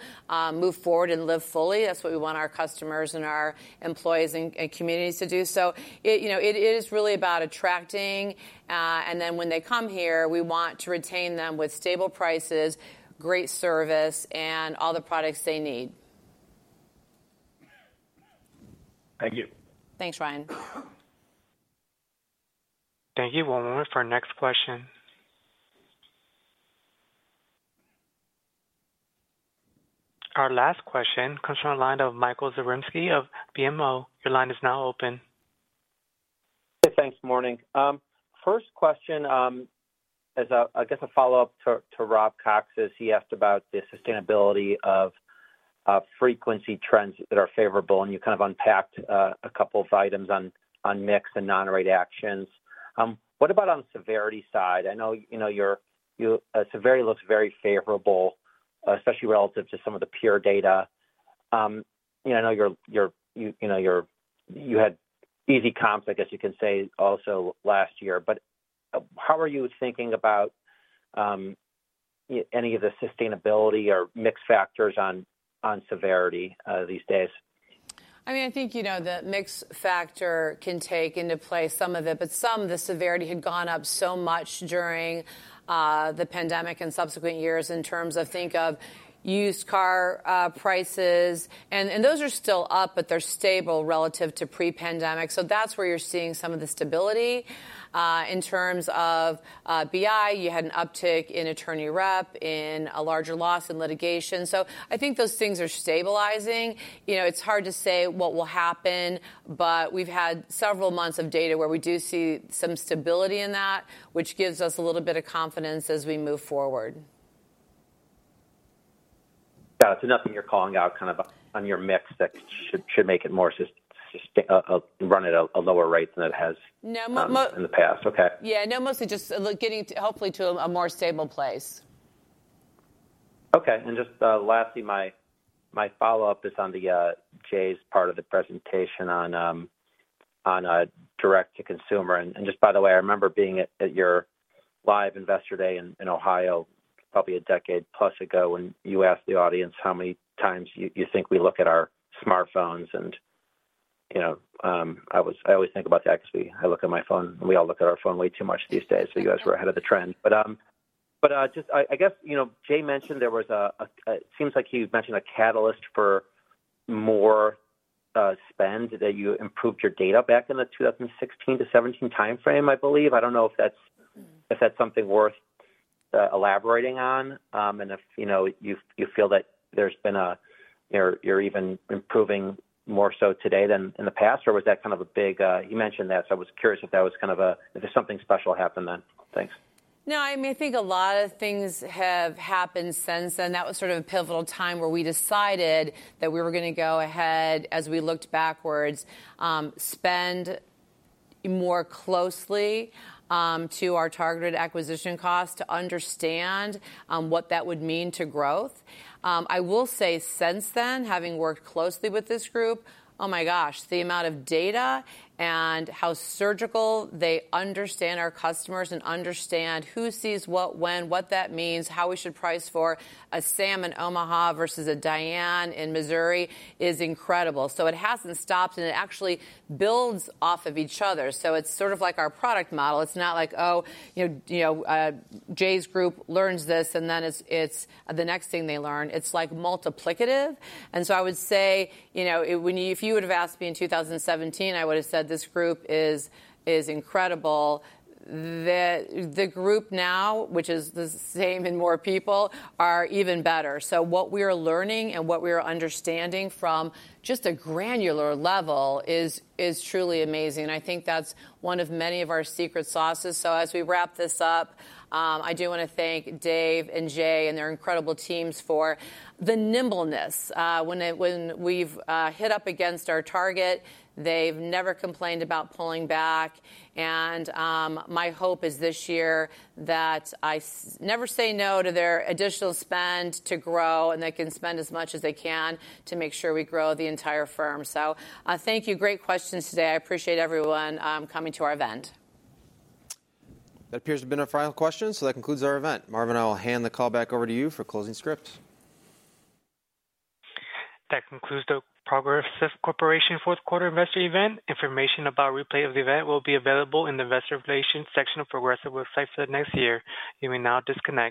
move forward and live fully. That's what we want our customers and our employees and communities to do. So it, you know, it is really about attracting, and then when they come here, we want to retain them with stable prices, great service, and all the products they need. Thank you. Thanks, Ryan. Thank you. One moment for our next question. Our last question comes from the line of Michael Zaremski of BMO. Your line is now open. Hey, thanks. Morning. First question is, I guess, a follow-up to Rob Cox's. He asked about the sustainability of frequency trends that are favorable, and you kind of unpacked a couple of items on mix and non-rate actions. What about on the severity side? I know, you know, your severity looks very favorable, especially relative to some of the peer data. You know, I know your, you had easy comps, I guess you can say, also last year. But how are you thinking about any of the sustainability or mix factors on severity these days? I mean, I think, you know, the mix factor can take into play some of it, but some of the severity had gone up so much during the pandemic and subsequent years in terms of think of used car prices. And, and those are still up, but they're stable relative to pre-pandemic, so that's where you're seeing some of the stability. In terms of BI, you had an uptick in attorney rep, in a larger loss in litigation. So I think those things are stabilizing. You know, it's hard to say what will happen, but we've had several months of data where we do see some stability in that, which gives us a little bit of confidence as we move forward. Got it. So nothing you're calling out kind of on your mix that should make it more sustainably run at a lower rate than it has? No, in the past. Okay. Yeah, no, mostly just look, getting to, hopefully to a more stable place. Okay. And just lastly, my follow-up is on the Jay's part of the presentation on direct to consumer. And just by the way, I remember being at your live Investor Day in Ohio, probably a decade-plus ago, when you asked the audience how many times you think we look at our smartphones, and, you know, I always think about that because I look at my phone, and we all look at our phone way too much these days. So you guys were ahead of the trend. But just I guess, you know, Jay mentioned there was a... It seems like he mentioned a catalyst for more spend, that you improved your data back in the 2016-2017 timeframe, I believe. I don't know if that's- Mm. -if that's something worth elaborating on, and if, you know, you feel that there's been a, you're even improving more so today than in the past, or was that kind of a big... You mentioned that, so I was curious if that was kind of a, if something special happened then. Thanks. No, I mean, I think a lot of things have happened since then. That was sort of a pivotal time where we decided that we were gonna go ahead, as we looked backwards, spend more closely, to our targeted acquisition cost to understand, what that would mean to growth. I will say since then, having worked closely with this group, oh, my gosh, the amount of data and how surgical they understand our customers and understand who sees what, when, what that means, how we should price for a Sam in Omaha versus a Diane in Missouri, is incredible. So it hasn't stopped, and it actually builds off of each other. So it's sort of like our product model. It's not like, oh, you know, you know, Jay's group learns this, and then it's, it's the next thing they learn. It's like multiplicative. And so I would say, you know, if you would've asked me in 2017, I would've said this group is incredible. The group now, which is the same and more people, are even better. So what we are learning and what we are understanding from just a granular level is truly amazing, and I think that's one of many of our secret sauces. So as we wrap this up, I do wanna thank Dave and Jay and their incredible teams for the nimbleness. When we've hit up against our target, they've never complained about pulling back, and my hope is this year that I never say no to their additional spend to grow, and they can spend as much as they can to make sure we grow the entire firm. So, thank you. Great questions today. I appreciate everyone coming to our event. That appears to have been our final question, so that concludes our event. Marvin, I will hand the call back over to you for closing script. That concludes the Progressive Corporation fourth quarter investor event. Information about replay of the event will be available in the Investor Relations section of Progressive website for the next year. You may now disconnect.